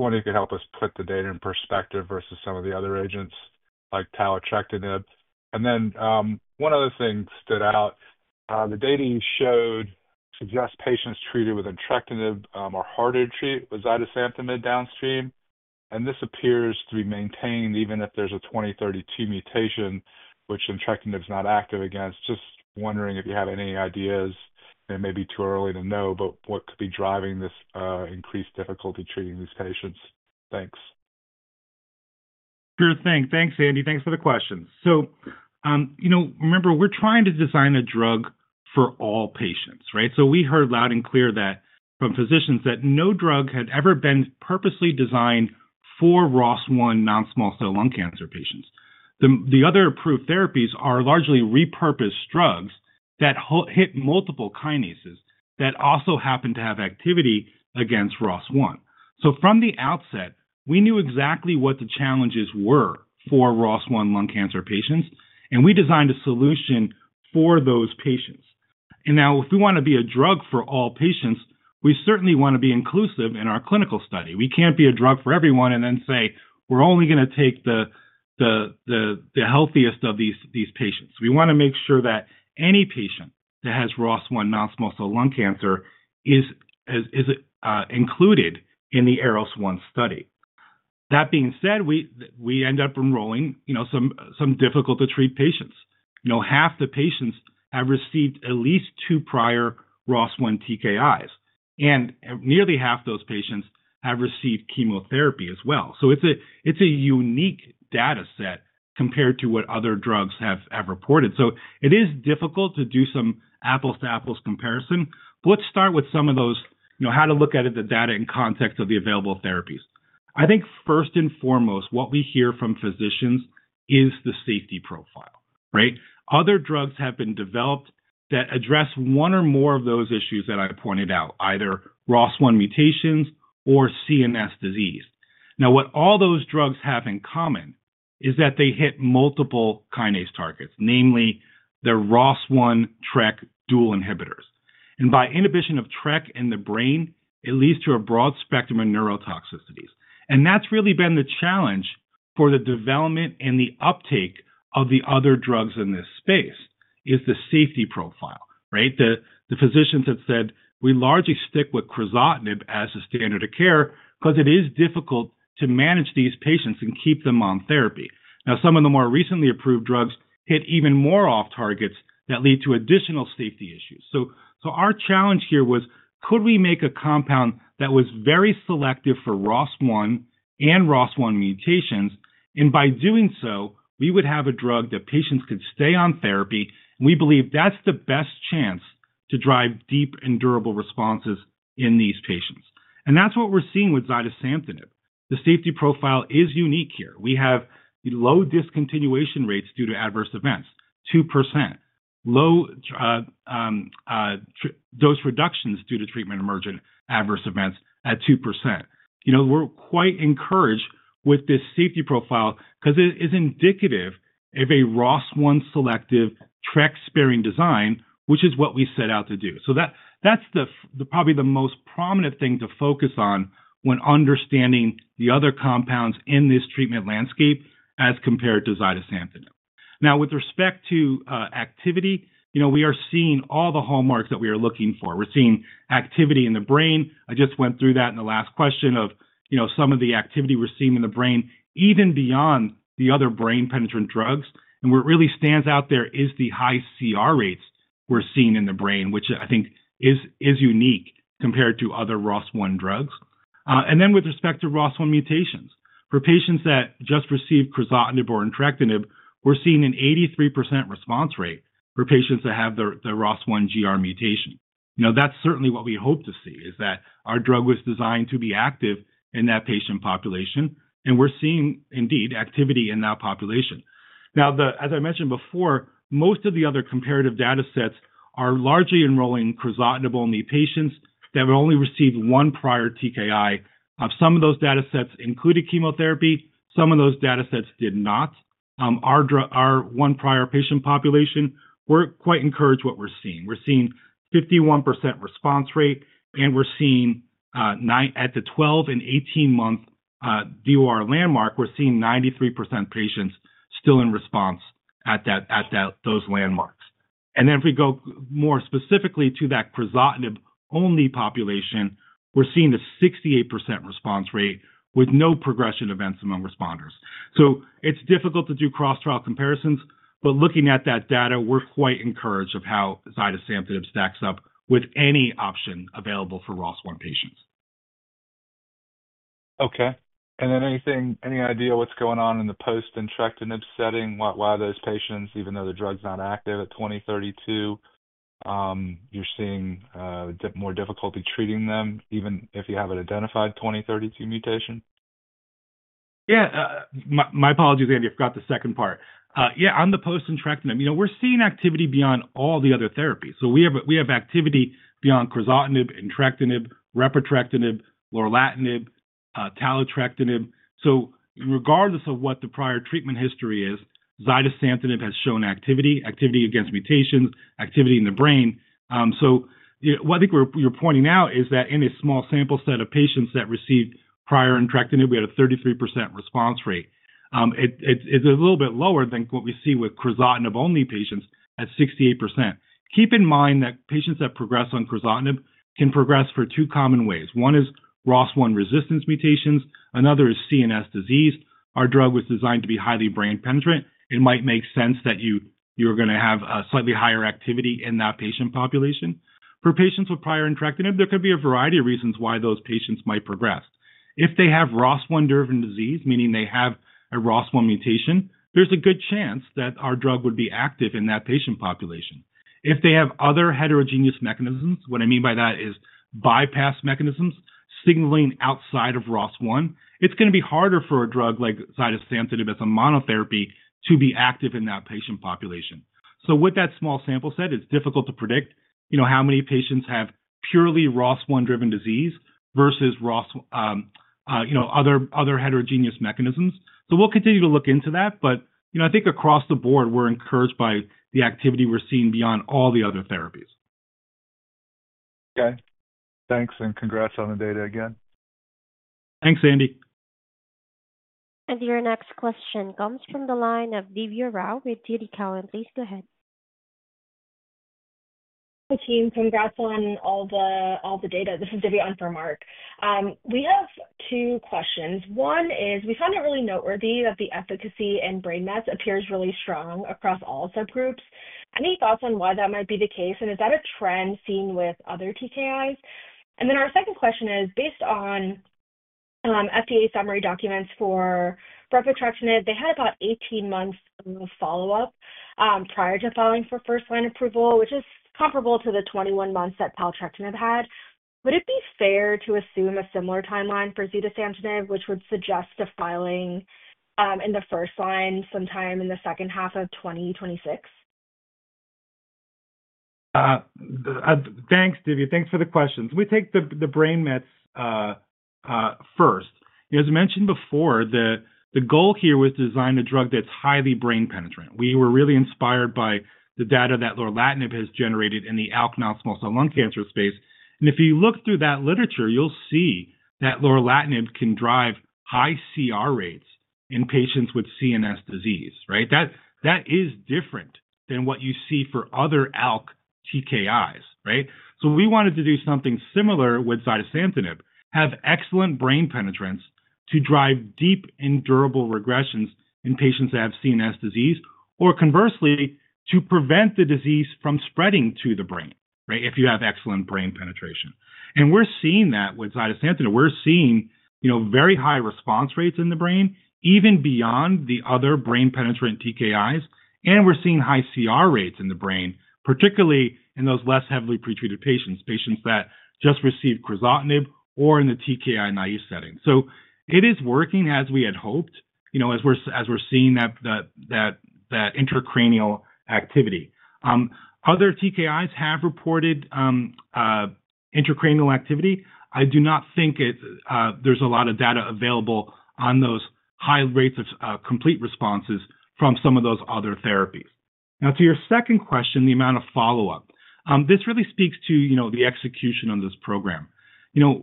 E: You could help us put the data in perspective versus some of the other agents like taletrectinib. One other thing stood out. The data you showed suggests patients treated with entrectinib are harder to treat with zidesamtinib downstream. This appears to be maintained even if there's a G2032R mutation, which entrectinib is not active against. Just wondering if you have any ideas. It may be too early to know, but what could be driving this increased difficulty treating these patients? Thanks.
C: Sure thing. Thanks, Andy. Thanks for the questions. Remember, we're trying to design a drug for all patients, right? We heard loud and clear from physicians that no drug had ever been purposely designed for ROS1 non-small cell lung cancer patients. The other approved therapies are largely repurposed drugs that hit multiple kinases that also happen to have activity against ROS1. From the outset, we knew exactly what the challenges were for ROS1 lung cancer patients, and we designed a solution for those patients. Now, if we want to be a drug for all patients, we certainly want to be inclusive in our clinical study. We can't be a drug for everyone and then say, "We're only going to take the healthiest of these patients." We want to make sure that any patient that has ROS1 non-small cell lung cancer is included in the ARROS1 study. That being said, we end up enrolling some difficult-to-treat patients. Half the patients have received at least two prior ROS1 TKIs, and nearly half those patients have received chemotherapy as well. It is a unique dataset compared to what other drugs have reported. It is difficult to do some apples-to-apples comparison. Let's start with some of those, how to look at the data in context of the available therapies. I think first and foremost, what we hear from physicians is the safety profile, right? Other drugs have been developed that address one or more of those issues that I pointed out, either ROS1 mutations or CNS disease. Now, what all those drugs have in common is that they hit multiple kinase targets, namely the ROS1 TRK dual inhibitors. By inhibition of TRK in the brain, it leads to a broad spectrum of neurotoxicities. That has really been the challenge for the development and the uptake of the other drugs in this space, is the safety profile, right? The physicians have said, "We largely stick with crizotinib as a standard of care because it is difficult to manage these patients and keep them on therapy." Some of the more recently approved drugs hit even more off-targets that lead to additional safety issues. Our challenge here was, could we make a compound that was very selective for ROS1 and ROS1 mutations? By doing so, we would have a drug that patients could stay on therapy. We believe that's the best chance to drive deep and durable responses in these patients. That's what we're seeing with zidesamtinib. The safety profile is unique here. We have low discontinuation rates due to adverse events, 2%. Low dose reductions due to treatment-emergent adverse events at 2%. We're quite encouraged with this safety profile because it is indicative of a ROS1 selective TRK-sparing design, which is what we set out to do. That is probably the most prominent thing to focus on when understanding the other compounds in this treatment landscape as compared to zidesamtinib. Now, with respect to activity, we are seeing all the hallmarks that we are looking for. We're seeing activity in the brain. I just went through that in the last question of some of the activity we're seeing in the brain, even beyond the other brain-penetrant drugs. What really stands out there is the high CR rates we're seeing in the brain, which I think is unique compared to other ROS1 drugs. With respect to ROS1 mutations, for patients that just received crizotinib or entrectinib, we're seeing an 83% response rate for patients that have the ROS1 G2032R mutation. That's certainly what we hope to see, is that our drug was designed to be active in that patient population. We're seeing, indeed, activity in that population. As I mentioned before, most of the other comparative datasets are largely enrolling crizotinib-only patients that have only received one prior TKI. Some of those datasets included chemotherapy. Some of those datasets did not. Our one prior patient population, we're quite encouraged what we're seeing. We're seeing 51% response rate, and we're seeing at the 12-month and 18-month DOR landmark, we're seeing 93% patients still in response at those landmarks. If we go more specifically to that crizotinib-only population, we're seeing a 68% response rate with no progression events among responders. It is difficult to do cross-trial comparisons, but looking at that data, we're quite encouraged of how zidesamtinib stacks up with any option available for ROS1 patients.
E: Okay. Any idea what's going on in the post-entrectinib setting? Why those patients, even though the drug's not active at G2032R, you're seeing more difficulty treating them, even if you haven't identified G2032R mutation?
C: Yeah. My apologies, Andy. I forgot the second part. Yeah, on the post-entrectinib, we're seeing activity beyond all the other therapies. We have activity beyond crizotinib, entrectinib, repotrectinib, lorlatinib, taletrectinib. Regardless of what the prior treatment history is, zidesamtinib has shown activity, activity against mutations, activity in the brain. What I think you're pointing out is that in a small sample set of patients that received prior entrectinib, we had a 33% response rate. It's a little bit lower than what we see with crizotinib-only patients at 68%. Keep in mind that patients that progress on crizotinib can progress for two common ways. One is ROS1 resistance mutations. Another is CNS disease. Our drug was designed to be highly brain-penetrant. It might make sense that you are going to have a slightly higher activity in that patient population. For patients with prior entrectinib, there could be a variety of reasons why those patients might progress. If they have ROS1-driven disease, meaning they have a ROS1 mutation, there's a good chance that our drug would be active in that patient population. If they have other heterogeneous mechanisms, what I mean by that is bypass mechanisms signaling outside of ROS1, it's going to be harder for a drug like zidesamtinib as a monotherapy to be active in that patient population. With that small sample set, it's difficult to predict how many patients have purely ROS1-driven disease versus other heterogeneous mechanisms. We'll continue to look into that, but I think across the board, we're encouraged by the activity we're seeing beyond all the other therapies.
E: Okay. Thanks. Congrats on the data again.
C: Thanks, Andy.
A: Your next question comes from the line of Divya Rao with TD Cowen. Please go ahead.
F: Hi, team. Congrats on all the data. This is Divya on for Mark. We have two questions. One is, we found it really noteworthy that the efficacy in brain mets appears really strong across all subgroups. Any thoughts on why that might be the case, and is that a trend seen with other TKIs? Our second question is, based on FDA summary documents for repotrectinib, they had about 18 months of follow-up prior to filing for first-line approval, which is comparable to the 21 months that taletrectinib had. Would it be fair to assume a similar timeline for zidesamtinib, which would suggest a filing in the first line sometime in the second half of 2026?
C: Thanks, Divya. Thanks for the questions. We take the brain mets first. As mentioned before, the goal here was to design a drug that's highly brain-penetrant. We were really inspired by the data that lorlatinib has generated in the ALK non-small cell lung cancer space. If you look through that literature, you'll see that lorlatinib can drive high CR rates in patients with CNS disease, right? That is different than what you see for other ALK TKIs, right? We wanted to do something similar with zidesamtinib. Have excellent brain penetrance to drive deep and durable regressions in patients that have CNS disease, or conversely, to prevent the disease from spreading to the brain, right, if you have excellent brain penetration. We're seeing that with zidesamtinib. We're seeing very high response rates in the brain, even beyond the other brain-penetrant TKIs. We're seeing high CR rates in the brain, particularly in those less heavily pretreated patients, patients that just received crizotinib or in the TKI-naive setting. It is working as we had hoped, as we're seeing that intracranial activity. Other TKIs have reported intracranial activity. I do not think there's a lot of data available on those high rates of complete responses from some of those other therapies. Now, to your second question, the amount of follow-up, this really speaks to the execution of this program.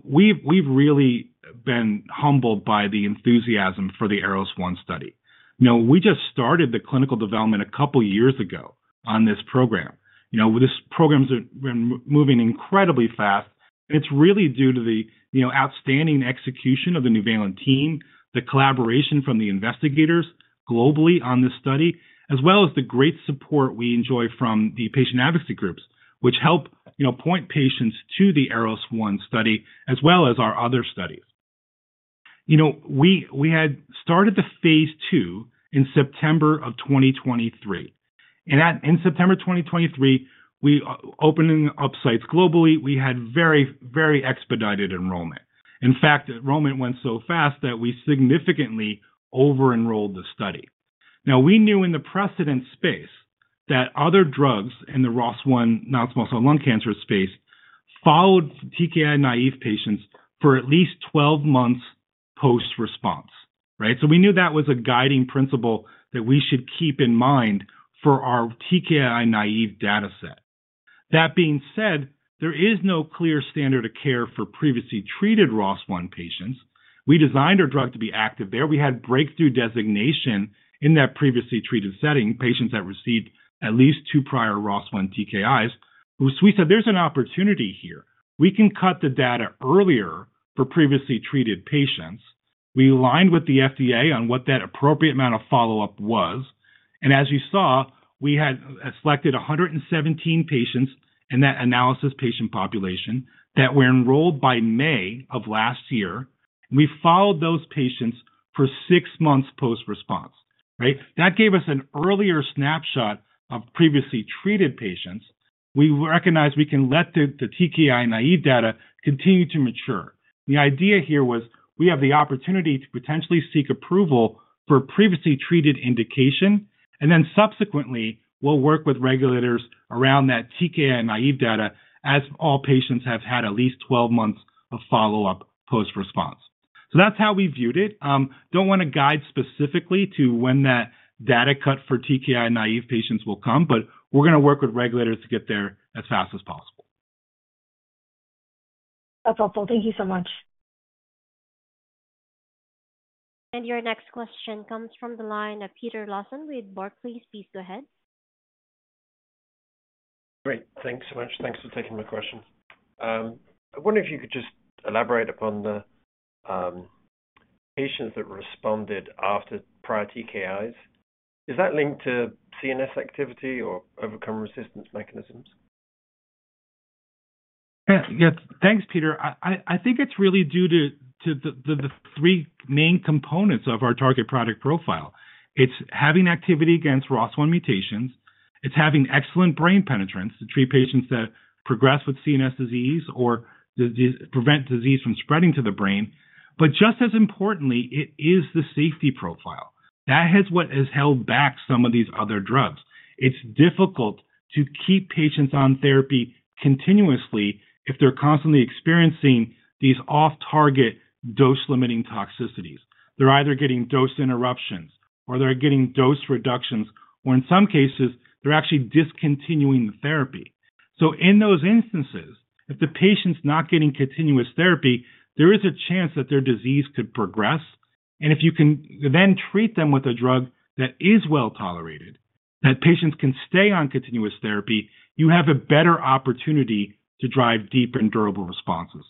C: We've really been humbled by the enthusiasm for the ARROS1 study. We just started the clinical development a couple of years ago on this program. This program's been moving incredibly fast. It is really due to the outstanding execution of the Nuvalent team, the collaboration from the investigators globally on this study, as well as the great support we enjoy from the patient advocacy groups, which help point patients to the ARROS1 study as well as our other studies. We had started the phase II in September of 2023. In September 2023, opening up sites globally, we had very, very expedited enrollment. In fact, enrollment went so fast that we significantly over-enrolled the study. Now, we knew in the precedent space that other drugs in the ROS1 non-small cell lung cancer space followed TKI-naive patients for at least 12 months post-response, right? We knew that was a guiding principle that we should keep in mind for our TKI-naive dataset. That being said, there is no clear standard of care for previously treated ROS1 patients. We designed our drug to be active there. We had breakthrough designation in that previously treated setting, patients that received at least two prior ROS1 TKIs. We said there's an opportunity here. We can cut the data earlier for previously treated patients. We aligned with the FDA on what that appropriate amount of follow-up was. As you saw, we had selected 117 patients in that analysis patient population that were enrolled by May of last year. We followed those patients for six months post-response, right? That gave us an earlier snapshot of previously treated patients. We recognize we can let the TKI-naive data continue to mature. The idea here was we have the opportunity to potentially seek approval for previously treated indication. Then subsequently, we'll work with regulators around that TKI-naive data as all patients have had at least 12 months of follow-up post-response. That is how we viewed it. Do not want to guide specifically to when that data cut for TKI-naive patients will come, but we are going to work with regulators to get there as fast as possible.
F: That is helpful. Thank you so much.
A: Your next question comes from the line of Peter Lawson with Barclays. Please go ahead. Great.
G: Thanks so much. Thanks for taking my question. I wonder if you could just elaborate upon the patients that responded after prior TKIs. Is that linked to CNS activity or overcome resistance mechanisms?
C: Yeah. Thanks, Peter. I think it's really due to the three main components of our target product profile. It's having activity against ROS1 mutations. It's having excellent brain penetrance to treat patients that progress with CNS disease or prevent disease from spreading to the brain. Just as importantly, it is the safety profile. That is what has held back some of these other drugs. It's difficult to keep patients on therapy continuously if they're constantly experiencing these off-target dose-limiting toxicities. They're either getting dose interruptions or they're getting dose reductions, or in some cases, they're actually discontinuing the therapy. In those instances, if the patient's not getting continuous therapy, there is a chance that their disease could progress. If you can then treat them with a drug that is well tolerated, that patients can stay on continuous therapy, you have a better opportunity to drive deep and durable responses.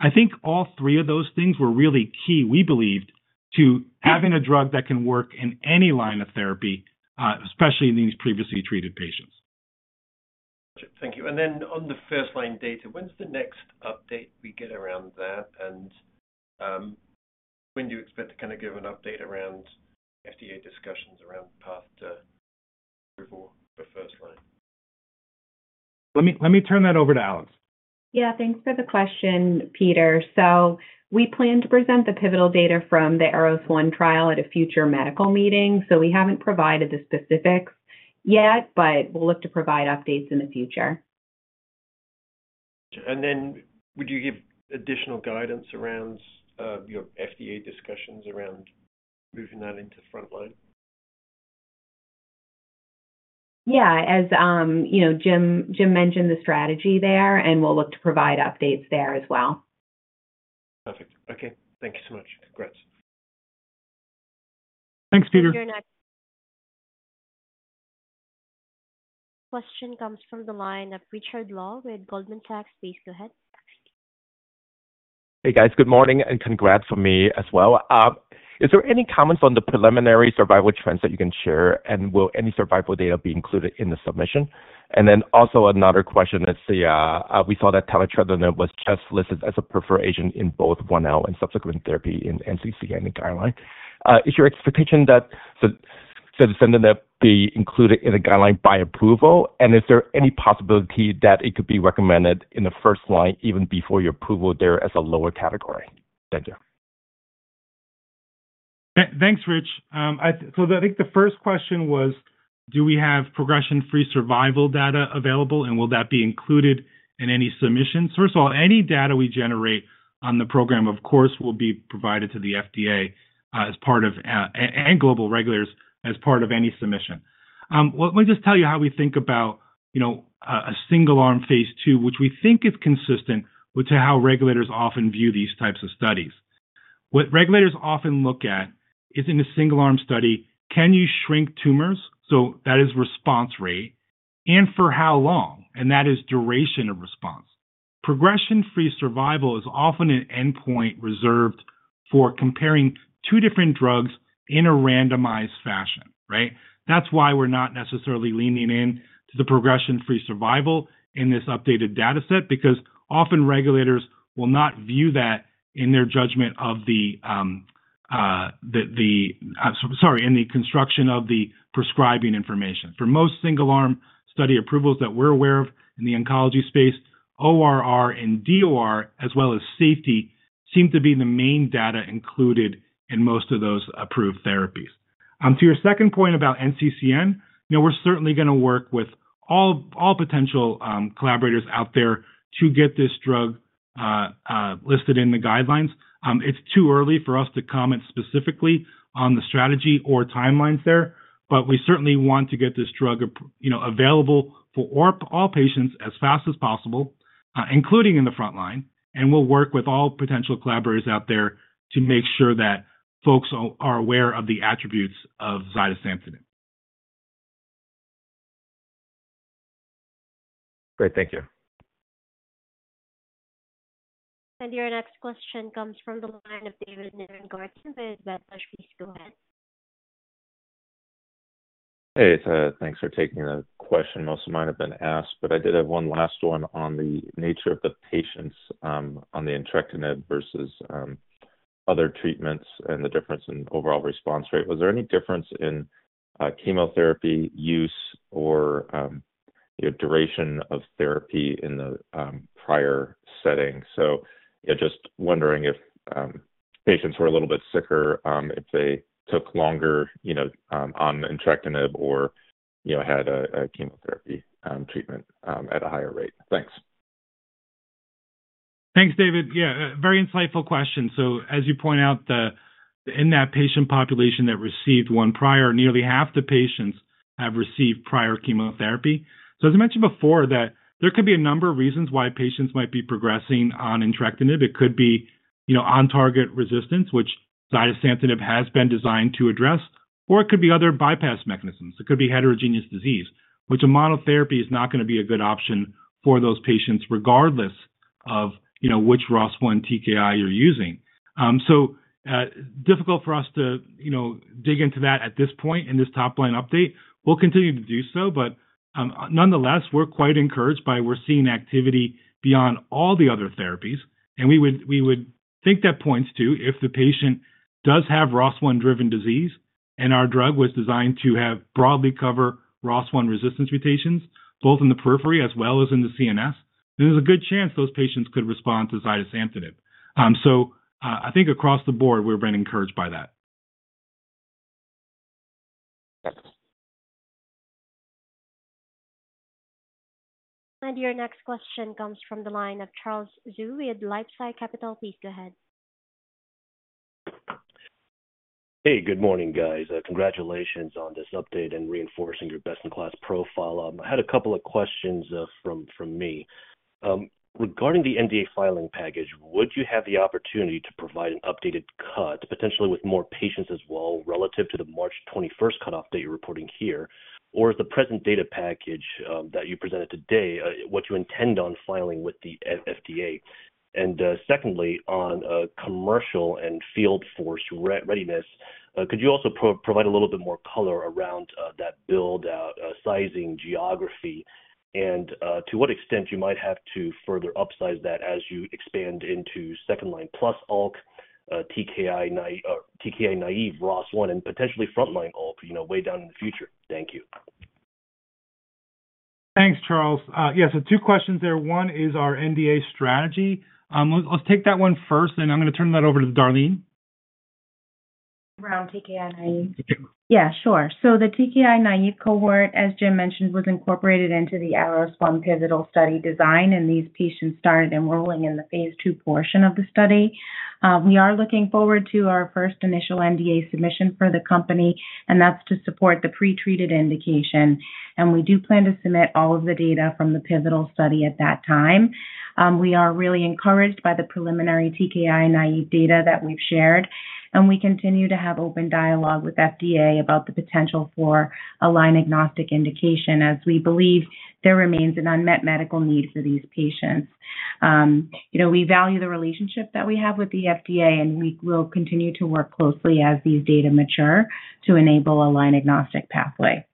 C: I think all three of those things were really key, we believed, to having a drug that can work in any line of therapy, especially in these previously treated patients.
G: Gotcha. Thank you. On the first-line data, when's the next update we get around that? When do you expect to kind of give an update around FDA discussions around path to approval for first-line?
C: Let me turn that over to Alex.
B: Yeah. Thanks for the question, Peter. We plan to present the pivotal data from the ARROS1 trial at a future medical meeting. We have not provided the specifics yet, but we will look to provide updates in the future.
G: Would you give additional guidance around your FDA discussions around moving that into frontline?
B: Yeah. As Jim mentioned, the strategy there, and we will look to provide updates there as well.
G: Perfect. Okay. Thank you so much. Congrats.
C: Thanks, Peter.
A: Thank you. Question comes from the line of Richard Law with Goldman Sachs. Please go ahead.
H: Hey, guys. Good morning and congrats from me as well. Is there any comments on the preliminary survival trends that you can share, and will any survival data be included in the submission? Also, another question is, we saw that taletrectinib was just listed as a preferred agent in both 1L and subsequent therapy in NCCN and guideline. Is your expectation that zidesamtinib be included in the guideline by approval? Is there any possibility that it could be recommended in the first line even before your approval there as a lower category? Thank you.
C: Thanks, Rich. I think the first question was, do we have progression-free survival data available, and will that be included in any submissions? First of all, any data we generate on the program, of course, will be provided to the FDA and global regulators as part of any submission. Let me just tell you how we think about a single-arm phase two, which we think is consistent with how regulators often view these types of studies. What regulators often look at is in a single-arm study, can you shrink tumors? That is response rate, and for how long? That is duration of response. Progression-free survival is often an endpoint reserved for comparing two different drugs in a randomized fashion, right? That's why we're not necessarily leaning into the progression-free survival in this updated dataset because often regulators will not view that in their judgment of the, sorry, in the construction of the prescribing information. For most single-arm study approvals that we're aware of in the oncology space, ORR and DOR, as well as safety, seem to be the main data included in most of those approved therapies. To your second point about NCCN, we're certainly going to work with all potential collaborators out there to get this drug listed in the guidelines. It's too early for us to comment specifically on the strategy or timelines there, but we certainly want to get this drug available for all patients as fast as possible, including in the frontline. We will work with all potential collaborators out there to make sure that folks are aware of the attributes of zidesamtinib.
H: Great. Thank you.
A: Your next question comes from the line of David Nierengarten with Wedbush. Please go ahead.
I: Hey, thanks for taking the question. Most of mine have been asked, but I did have one last one on the nature of the patients on the entrectinib versus other treatments and the difference in overall response rate. Was there any difference in chemotherapy use or duration of therapy in the prior setting? Just wondering if patients who are a little bit sicker, if they took longer on entrectinib or had a chemotherapy treatment at a higher rate. Thanks.
C: Thanks, David. Yeah. Very insightful question. As you point out, in that patient population that received one prior, nearly half the patients have received prior chemotherapy. As I mentioned before, there could be a number of reasons why patients might be progressing on entrectinib. It could be on-target resistance, which zidesamtinib has been designed to address, or it could be other bypass mechanisms. It could be heterogeneous disease, which a monotherapy is not going to be a good option for those patients regardless of which ROS1 TKI you're using. Difficult for us to dig into that at this point in this top-line update. We'll continue to do so, but nonetheless, we're quite encouraged by we're seeing activity beyond all the other therapies. We would think that points to if the patient does have ROS1-driven disease, and our drug was designed to broadly cover ROS1 resistance mutations, both in the periphery as well as in the CNS, then there's a good chance those patients could respond to zidesamtinib. I think across the board, we've been encouraged by that.
A: Your next question comes from the line of Charles Zhu with LifeSci Capital. Please go ahead.
J: Hey, good morning, guys. Congratulations on this update and reinforcing your best-in-class profile. I had a couple of questions from me. Regarding the NDA filing package, would you have the opportunity to provide an updated cut, potentially with more patients as well relative to the March 21st cutoff date you are reporting here, or is the present data package that you presented today what you intend on filing with the FDA? Secondly, on commercial and field force readiness, could you also provide a little bit more color around that build-out, sizing, geography, and to what extent you might have to further upsize that as you expand into second-line plus ALK, TKI-naive ROS1, and potentially front-line ALK way down in the future? Thank you.
C: Thanks, Charles. Yeah. Two questions there. One is our NDA strategy. Let's take that one first, and I'm going to turn that over to Darlene.
K: Around TKI-naive. Yeah, sure. So the TKI-naive cohort, as Jim mentioned, was incorporated into the ARROS1 pivotal study design, and these patients started enrolling in the phase two portion of the study. We are looking forward to our first initial NDA submission for the company, and that's to support the pre-treated indication. We do plan to submit all of the data from the pivotal study at that time. We are really encouraged by the preliminary TKI-naive data that we've shared, and we continue to have open dialogue with FDA about the potential for a line-agnostic indication as we believe there remains an unmet medical need for these patients. We value the relationship that we have with the FDA, and we will continue to work closely as these data mature to enable a line-agnostic pathway.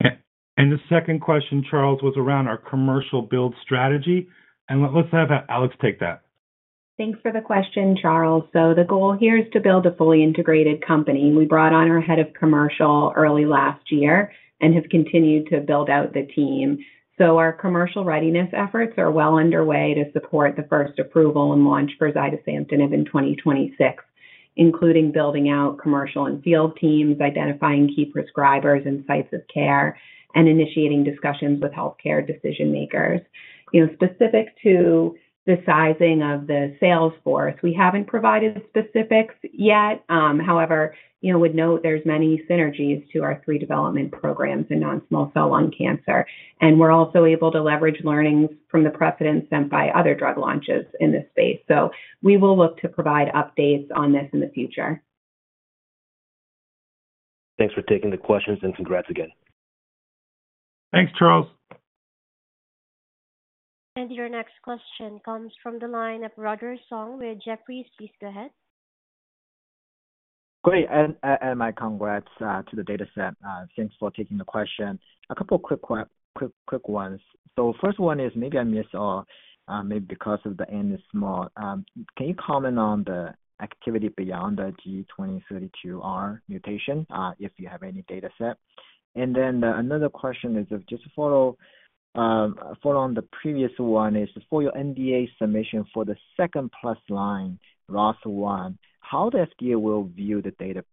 C: The second question, Charles, was around our commercial build strategy. Let's have Alex take that.
B: Thanks for the question, Charles. The goal here is to build a fully integrated company. We brought on our Head of Commercial early last year and have continued to build out the team. Our commercial readiness efforts are well underway to support the first approval and launch for zidesamtinib in 2026, including building out commercial and field teams, identifying key prescribers and sites of care, and initiating discussions with healthcare decision-makers. Specific to the sizing of the sales force, we haven't provided specifics yet. However, I would note there's many synergies to our three development programs in non-small cell lung cancer. We are also able to leverage learnings from the precedents set by other drug launches in this space. We will look to provide updates on this in the future.
J: Thanks for taking the questions, and congrats again.
C: Thanks, Charles.
A: Your next question comes from the line of Roger Sung with Jefferies. Please go ahead.
L: Great. My congrats to the dataset. Thanks for taking the question. A couple of quick ones. First one is maybe I missed or maybe because the n is small. Can you comment on the activity beyond the G2032R mutation if you have any dataset? Another question is just to follow on the previous one, for your NDA submission for the second-plus line ROS1, how the FDA will view the data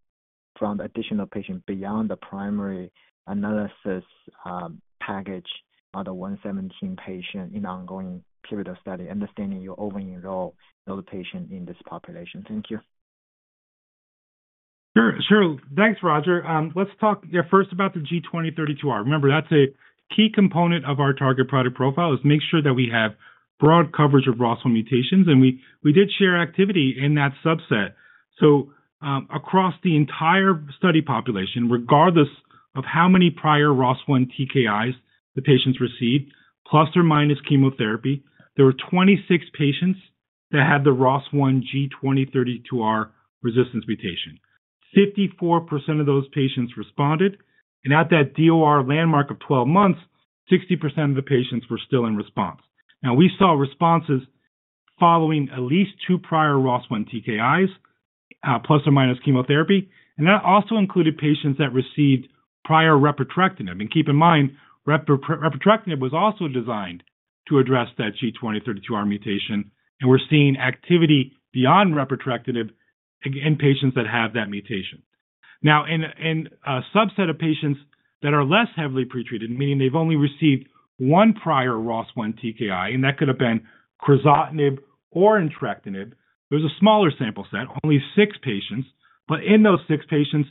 L: from the additional patient beyond the primary analysis package, other 117 patients in ongoing pivotal study, understanding you'll over-enroll those patients in this population. Thank you.
C: Sure. Thanks, Roger. Let's talk first about the G2032R. Remember, that's a key component of our target product profile, to make sure that we have broad coverage of ROS1 mutations. We did share activity in that subset. Across the entire study population, regardless of how many prior ROS1 TKIs the patients received, plus or minus chemotherapy, there were 26 patients that had the ROS1 G2032R resistance mutation. 54% of those patients responded. At that DOR landmark of 12 months, 60% of the patients were still in response. Now, we saw responses following at least two prior ROS1 TKIs, plus or minus chemotherapy. That also included patients that received prior repotrectinib. Keep in mind, repotrectinib was also designed to address that G2032R mutation. We're seeing activity beyond repotrectinib in patients that have that mutation. Now, in a subset of patients that are less heavily pretreated, meaning they've only received one prior ROS1 TKI, and that could have been crizotinib or entrectinib, there's a smaller sample set, only six patients. In those six patients,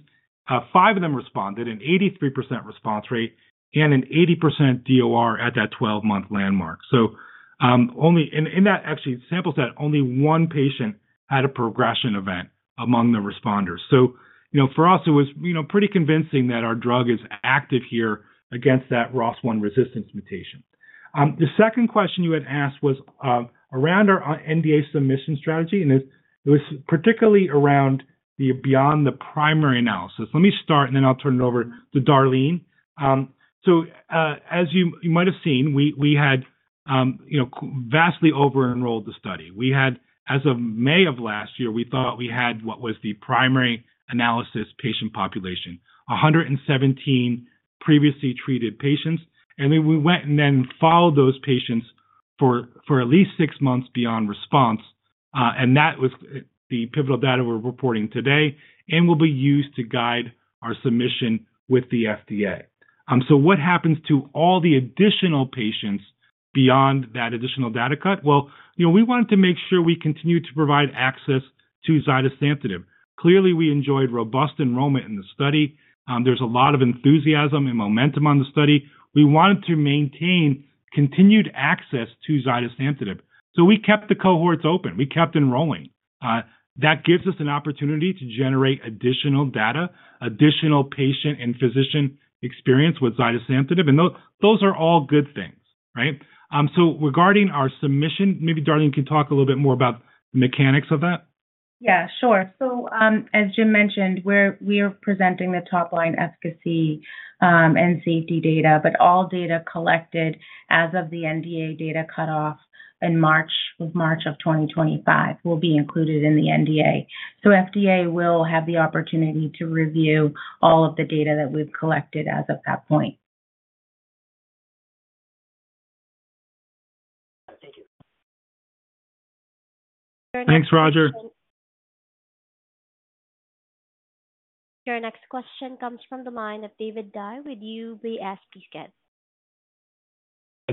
C: five of them responded, an 83% response rate and an 80% DOR at that 12-month landmark. In that actual sample set, only one patient had a progression event among the responders. For us, it was pretty convincing that our drug is active here against that ROS1 resistance mutation. The second question you had asked was around our NDA submission strategy, and it was particularly around beyond the primary analysis. Let me start, and then I'll turn it over to Darlene. As you might have seen, we had vastly over-enrolled the study. As of May of last year, we thought we had what was the primary analysis patient population, 117 previously treated patients. We went and then followed those patients for at least six months beyond response. That was the pivotal data we're reporting today and will be used to guide our submission with the FDA. What happens to all the additional patients beyond that additional data cut? We wanted to make sure we continued to provide access to zidesamtinib. Clearly, we enjoyed robust enrollment in the study. There's a lot of enthusiasm and momentum on the study. We wanted to maintain continued access to zidesamtinib. We kept the cohorts open. We kept enrolling. That gives us an opportunity to generate additional data, additional patient and physician experience with zidesamtinib. Those are all good things, right? Regarding our submission, maybe Darlene can talk a little bit more about the mechanics of that.
K: Yeah, sure. As Jim mentioned, we are presenting the top-line efficacy and safety data, but all data collected as of the NDA data cutoff in March of 2025 will be included in the NDA. FDA will have the opportunity to review all of the data that we've collected as of that point.
L: Thank you.
C: Thanks, Roger.
A: Your next question comes from the line of David Dai with UBS begin?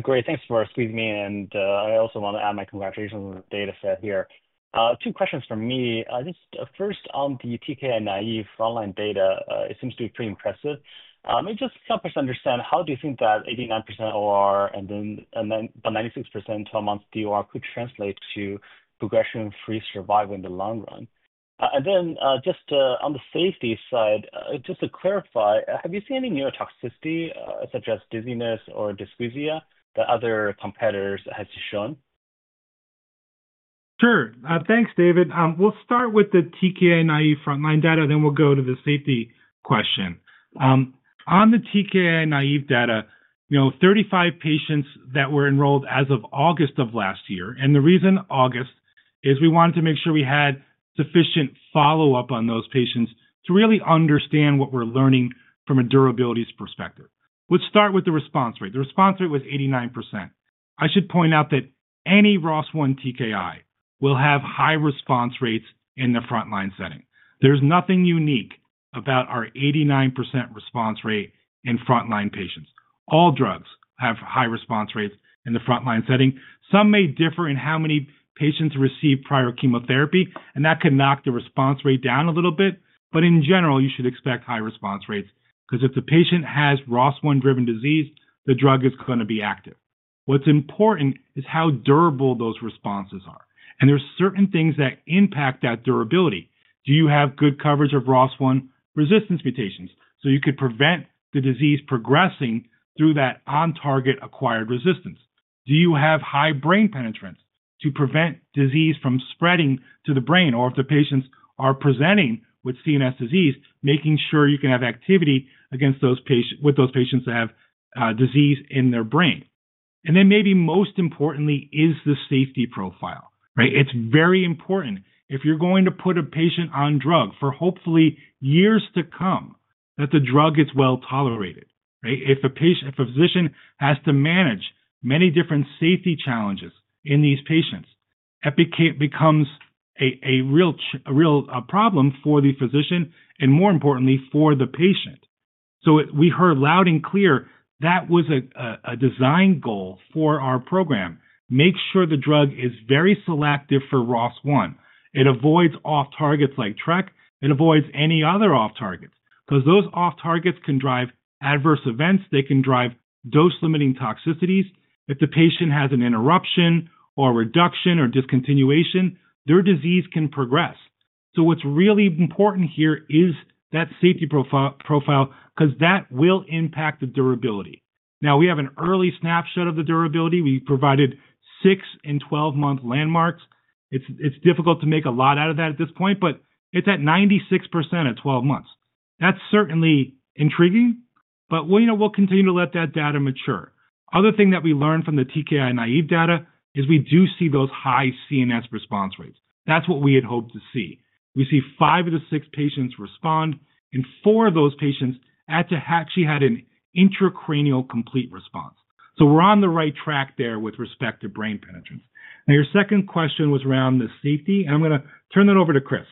M: Great. Thanks for squeezing me in. I also want to add my congratulations on the dataset here. Two questions for me. First, on the TKI naive front-line data, it seems to be pretty impressive. Let me just help us understand how do you think that 89% OR and then about 96% 12-month DOR could translate to progression-free survival in the long run? Just on the safety side, just to clarify, have you seen any neurotoxicity such as dizziness or dysgeusia that other competitors have shown?
C: Sure. Thanks, David. We'll start with the TKI-naive front-line data, then we'll go to the safety question. On the TKI-naive data, 35 patients that were enrolled as of August of last year. The reason August is we wanted to make sure we had sufficient follow-up on those patients to really understand what we're learning from a durability perspective. Let's start with the response rate. The response rate was 89%. I should point out that any ROS1 TKI will have high response rates in the front-line setting. There's nothing unique about our 89% response rate in front-line patients. All drugs have high response rates in the front-line setting. Some may differ in how many patients receive prior chemotherapy, and that can knock the response rate down a little bit. In general, you should expect high response rates because if the patient has ROS1-driven disease, the drug is going to be active. What's important is how durable those responses are. There are certain things that impact that durability. Do you have good coverage of ROS1 resistance mutations? You could prevent the disease progressing through that on-target acquired resistance. Do you have high brain penetrance to prevent disease from spreading to the brain? If the patients are presenting with CNS disease, making sure you can have activity with those patients that have disease in their brain. Maybe most importantly is the safety profile, right? It's very important if you're going to put a patient on drug for hopefully years to come that the drug is well tolerated, right? If a physician has to manage many different safety challenges in these patients, it becomes a real problem for the physician and more importantly for the patient. We heard loud and clear that was a design goal for our program. Make sure the drug is very selective for ROS1. It avoids off-targets like TRK. It avoids any other off-targets because those off-targets can drive adverse events. They can drive dose-limiting toxicities. If the patient has an interruption or reduction or discontinuation, their disease can progress. What's really important here is that safety profile because that will impact the durability. Now, we have an early snapshot of the durability. We provided 6-month and 12-month landmarks. It's difficult to make a lot out of that at this point, but it's at 96% at 12 months. That's certainly intriguing, but we'll continue to let that data mature. Other thing that we learned from the TKI-naive data is we do see those high CNS response rates. That's what we had hoped to see. We see five of the six patients respond, and four of those patients actually had an intracranial complete response. We're on the right track there with respect to brain penetrance. Now, your second question was around the safety, and I'm going to turn it over to Chris.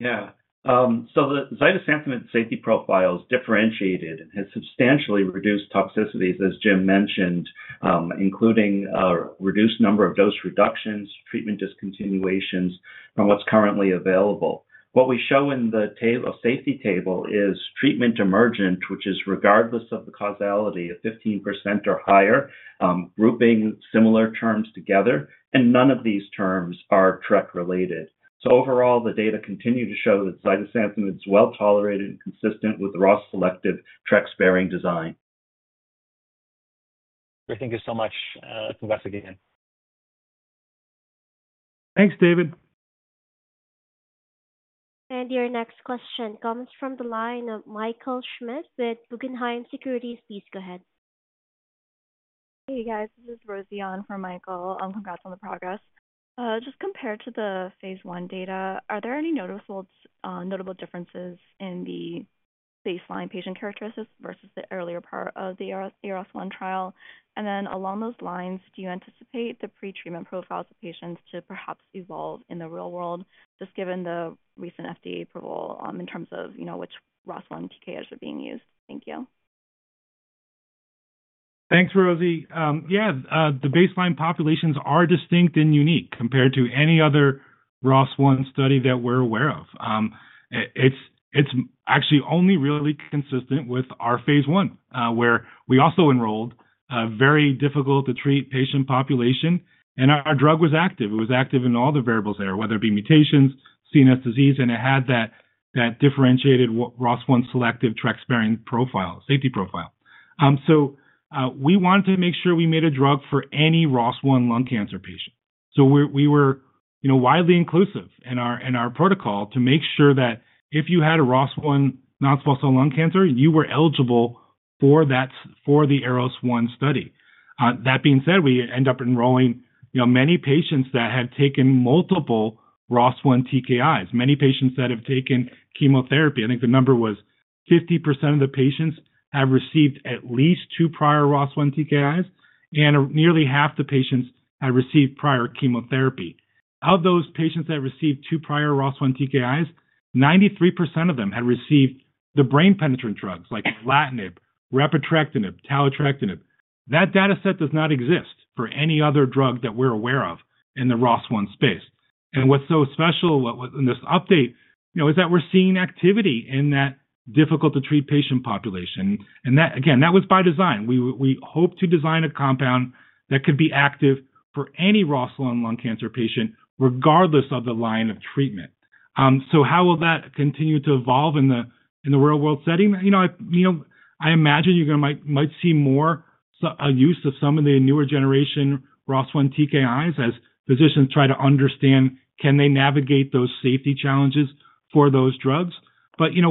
C: Yeah.
N: The zidesamtinib safety profile is differentiated and has substantially reduced toxicities, as Jim mentioned, including a reduced number of dose reductions, treatment discontinuations from what's currently available. What we show in the safety table is treatment emergent, which is regardless of the causality, of 15% or higher, grouping similar terms together, and none of these terms are TRK-related. Overall, the data continue to show that zidesamtinib is well tolerated and consistent with the ROS1-selective TRK-sparing design.
M: Great. Thank you so much. Congrats again.
C: Thanks, David.
A: Your next question comes from the line of Michael Schmidt with Guggenheim Securities. Please go ahead.
O: Hey, guys. This is Rosy on from Michael. Congrats on the progress. Just compared to the phase one data, are there any notable differences in the baseline patient characteristics versus the earlier part of the ROS1 trial? Do you anticipate the pretreatment profiles of patients to perhaps evolve in the real world, just given the recent FDA approval in terms of which ROS1 TKIs are being used? Thank you.
C: Thanks, Rosy. Yeah, the baseline populations are distinct and unique compared to any other ROS1 study that we're aware of. It's actually only really consistent with our phase one, where we also enrolled a very difficult-to-treat patient population. And our drug was active. It was active in all the variables there, whether it be mutations, CNS disease, and it had that differentiated ROS1 selective TRK-sparing safety profile. We wanted to make sure we made a drug for any ROS1 lung cancer patient. We were widely inclusive in our protocol to make sure that if you had a ROS1 non-small cell lung cancer, you were eligible for the ARROS1 study. That being said, we ended up enrolling many patients that had taken multiple ROS1 TKIs, many patients that have taken chemotherapy. I think the number was 50% of the patients have received at least two prior ROS1 TKIs, and nearly half the patients have received prior chemotherapy. Of those patients that received two prior ROS1 TKIs, 93% of them had received the brain-penetrant drugs like lorlatinib, repotrectinib, taletrectinib. That dataset does not exist for any other drug that we're aware of in the ROS1 space. What's so special in this update is that we're seeing activity in that difficult-to-treat patient population. Again, that was by design. We hope to design a compound that could be active for any ROS1 lung cancer patient, regardless of the line of treatment. How will that continue to evolve in the real-world setting? I imagine you might see more use of some of the newer generation ROS1 TKIs as physicians try to understand, can they navigate those safety challenges for those drugs?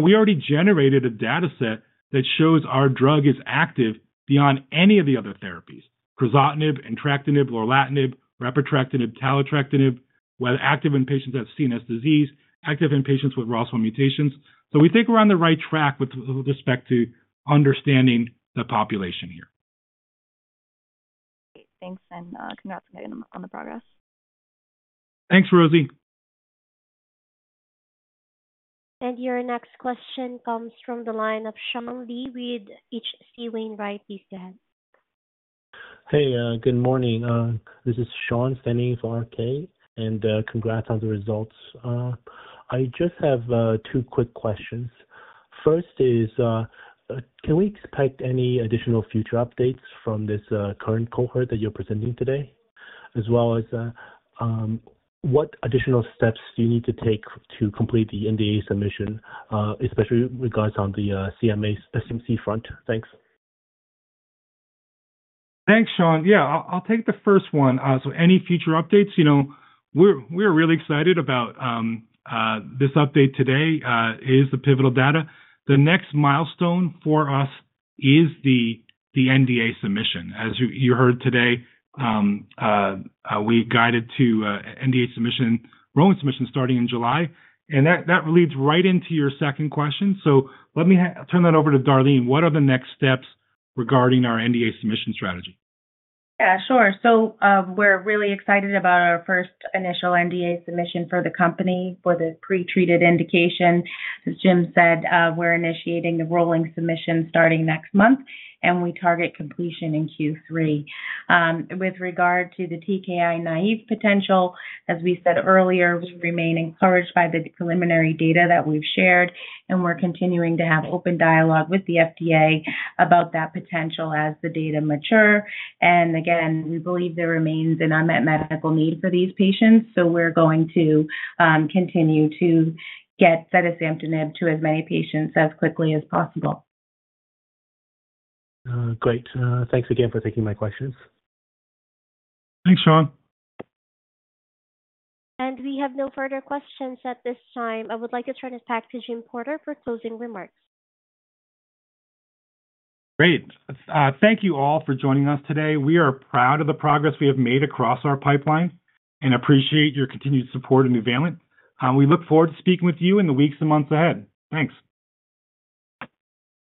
C: We already generated a dataset that shows our drug is active beyond any of the other therapies: crizotinib, entrectinib, lorlatinib, repotrectinib, taletrectinib, active in patients that have CNS disease, active in patients with ROS1 mutations. We think we are on the right track with respect to understanding the population here.
O: Great. Thanks. Congrats on the progress.
C: Thanks, Rosy.
A: Your next question comes from the line of Sean Lee with H.C. Wainwright. Please go ahead.
P: Hey, good morning. This is Sean Lee for RK, and congrats on the results. I just have two quick questions. First is, can we expect any additional future updates from this current cohort that you're presenting today, as well as what additional steps do you need to take to complete the NDA submission, especially regards on the CMC front? Thanks.
C: Thanks, Sean. Yeah, I'll take the first one. So any future updates? We're really excited about this update today. It is the pivotal data. The next milestone for us is the NDA submission. As you heard today, we guided to NDA submission, rolling submission starting in July. That leads right into your second question. Let me turn that over to Darlene. What are the next steps regarding our NDA submission strategy?
K: Yeah, sure. We're really excited about our first initial NDA submission for the company for the pretreated indication. As Jim said, we're initiating the rolling submission starting next month, and we target completion in Q3. With regard to the TKI-naive potential, as we said earlier, we remain encouraged by the preliminary data that we've shared, and we're continuing to have open dialogue with the FDA about that potential as the data mature. Again, we believe there remains an unmet medical need for these patients. We are going to continue to get zidesamtinib to as many patients as quickly as possible.
P: Great. Thanks again for taking my questions.
C: Thanks, Sean.
A: We have no further questions at this time. I would like to turn it back to Jim Porter for closing remarks.
C: Great. Thank you all for joining us today. We are proud of the progress we have made across our pipeline and appreciate your continued support and engagement. We look forward to speaking with you in the weeks and months ahead. Thanks.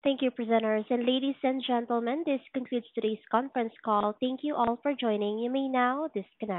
A: Thank you, presenters. Ladies and gentlemen, this concludes today's conference call. Thank you all for joining. You may now disconnect.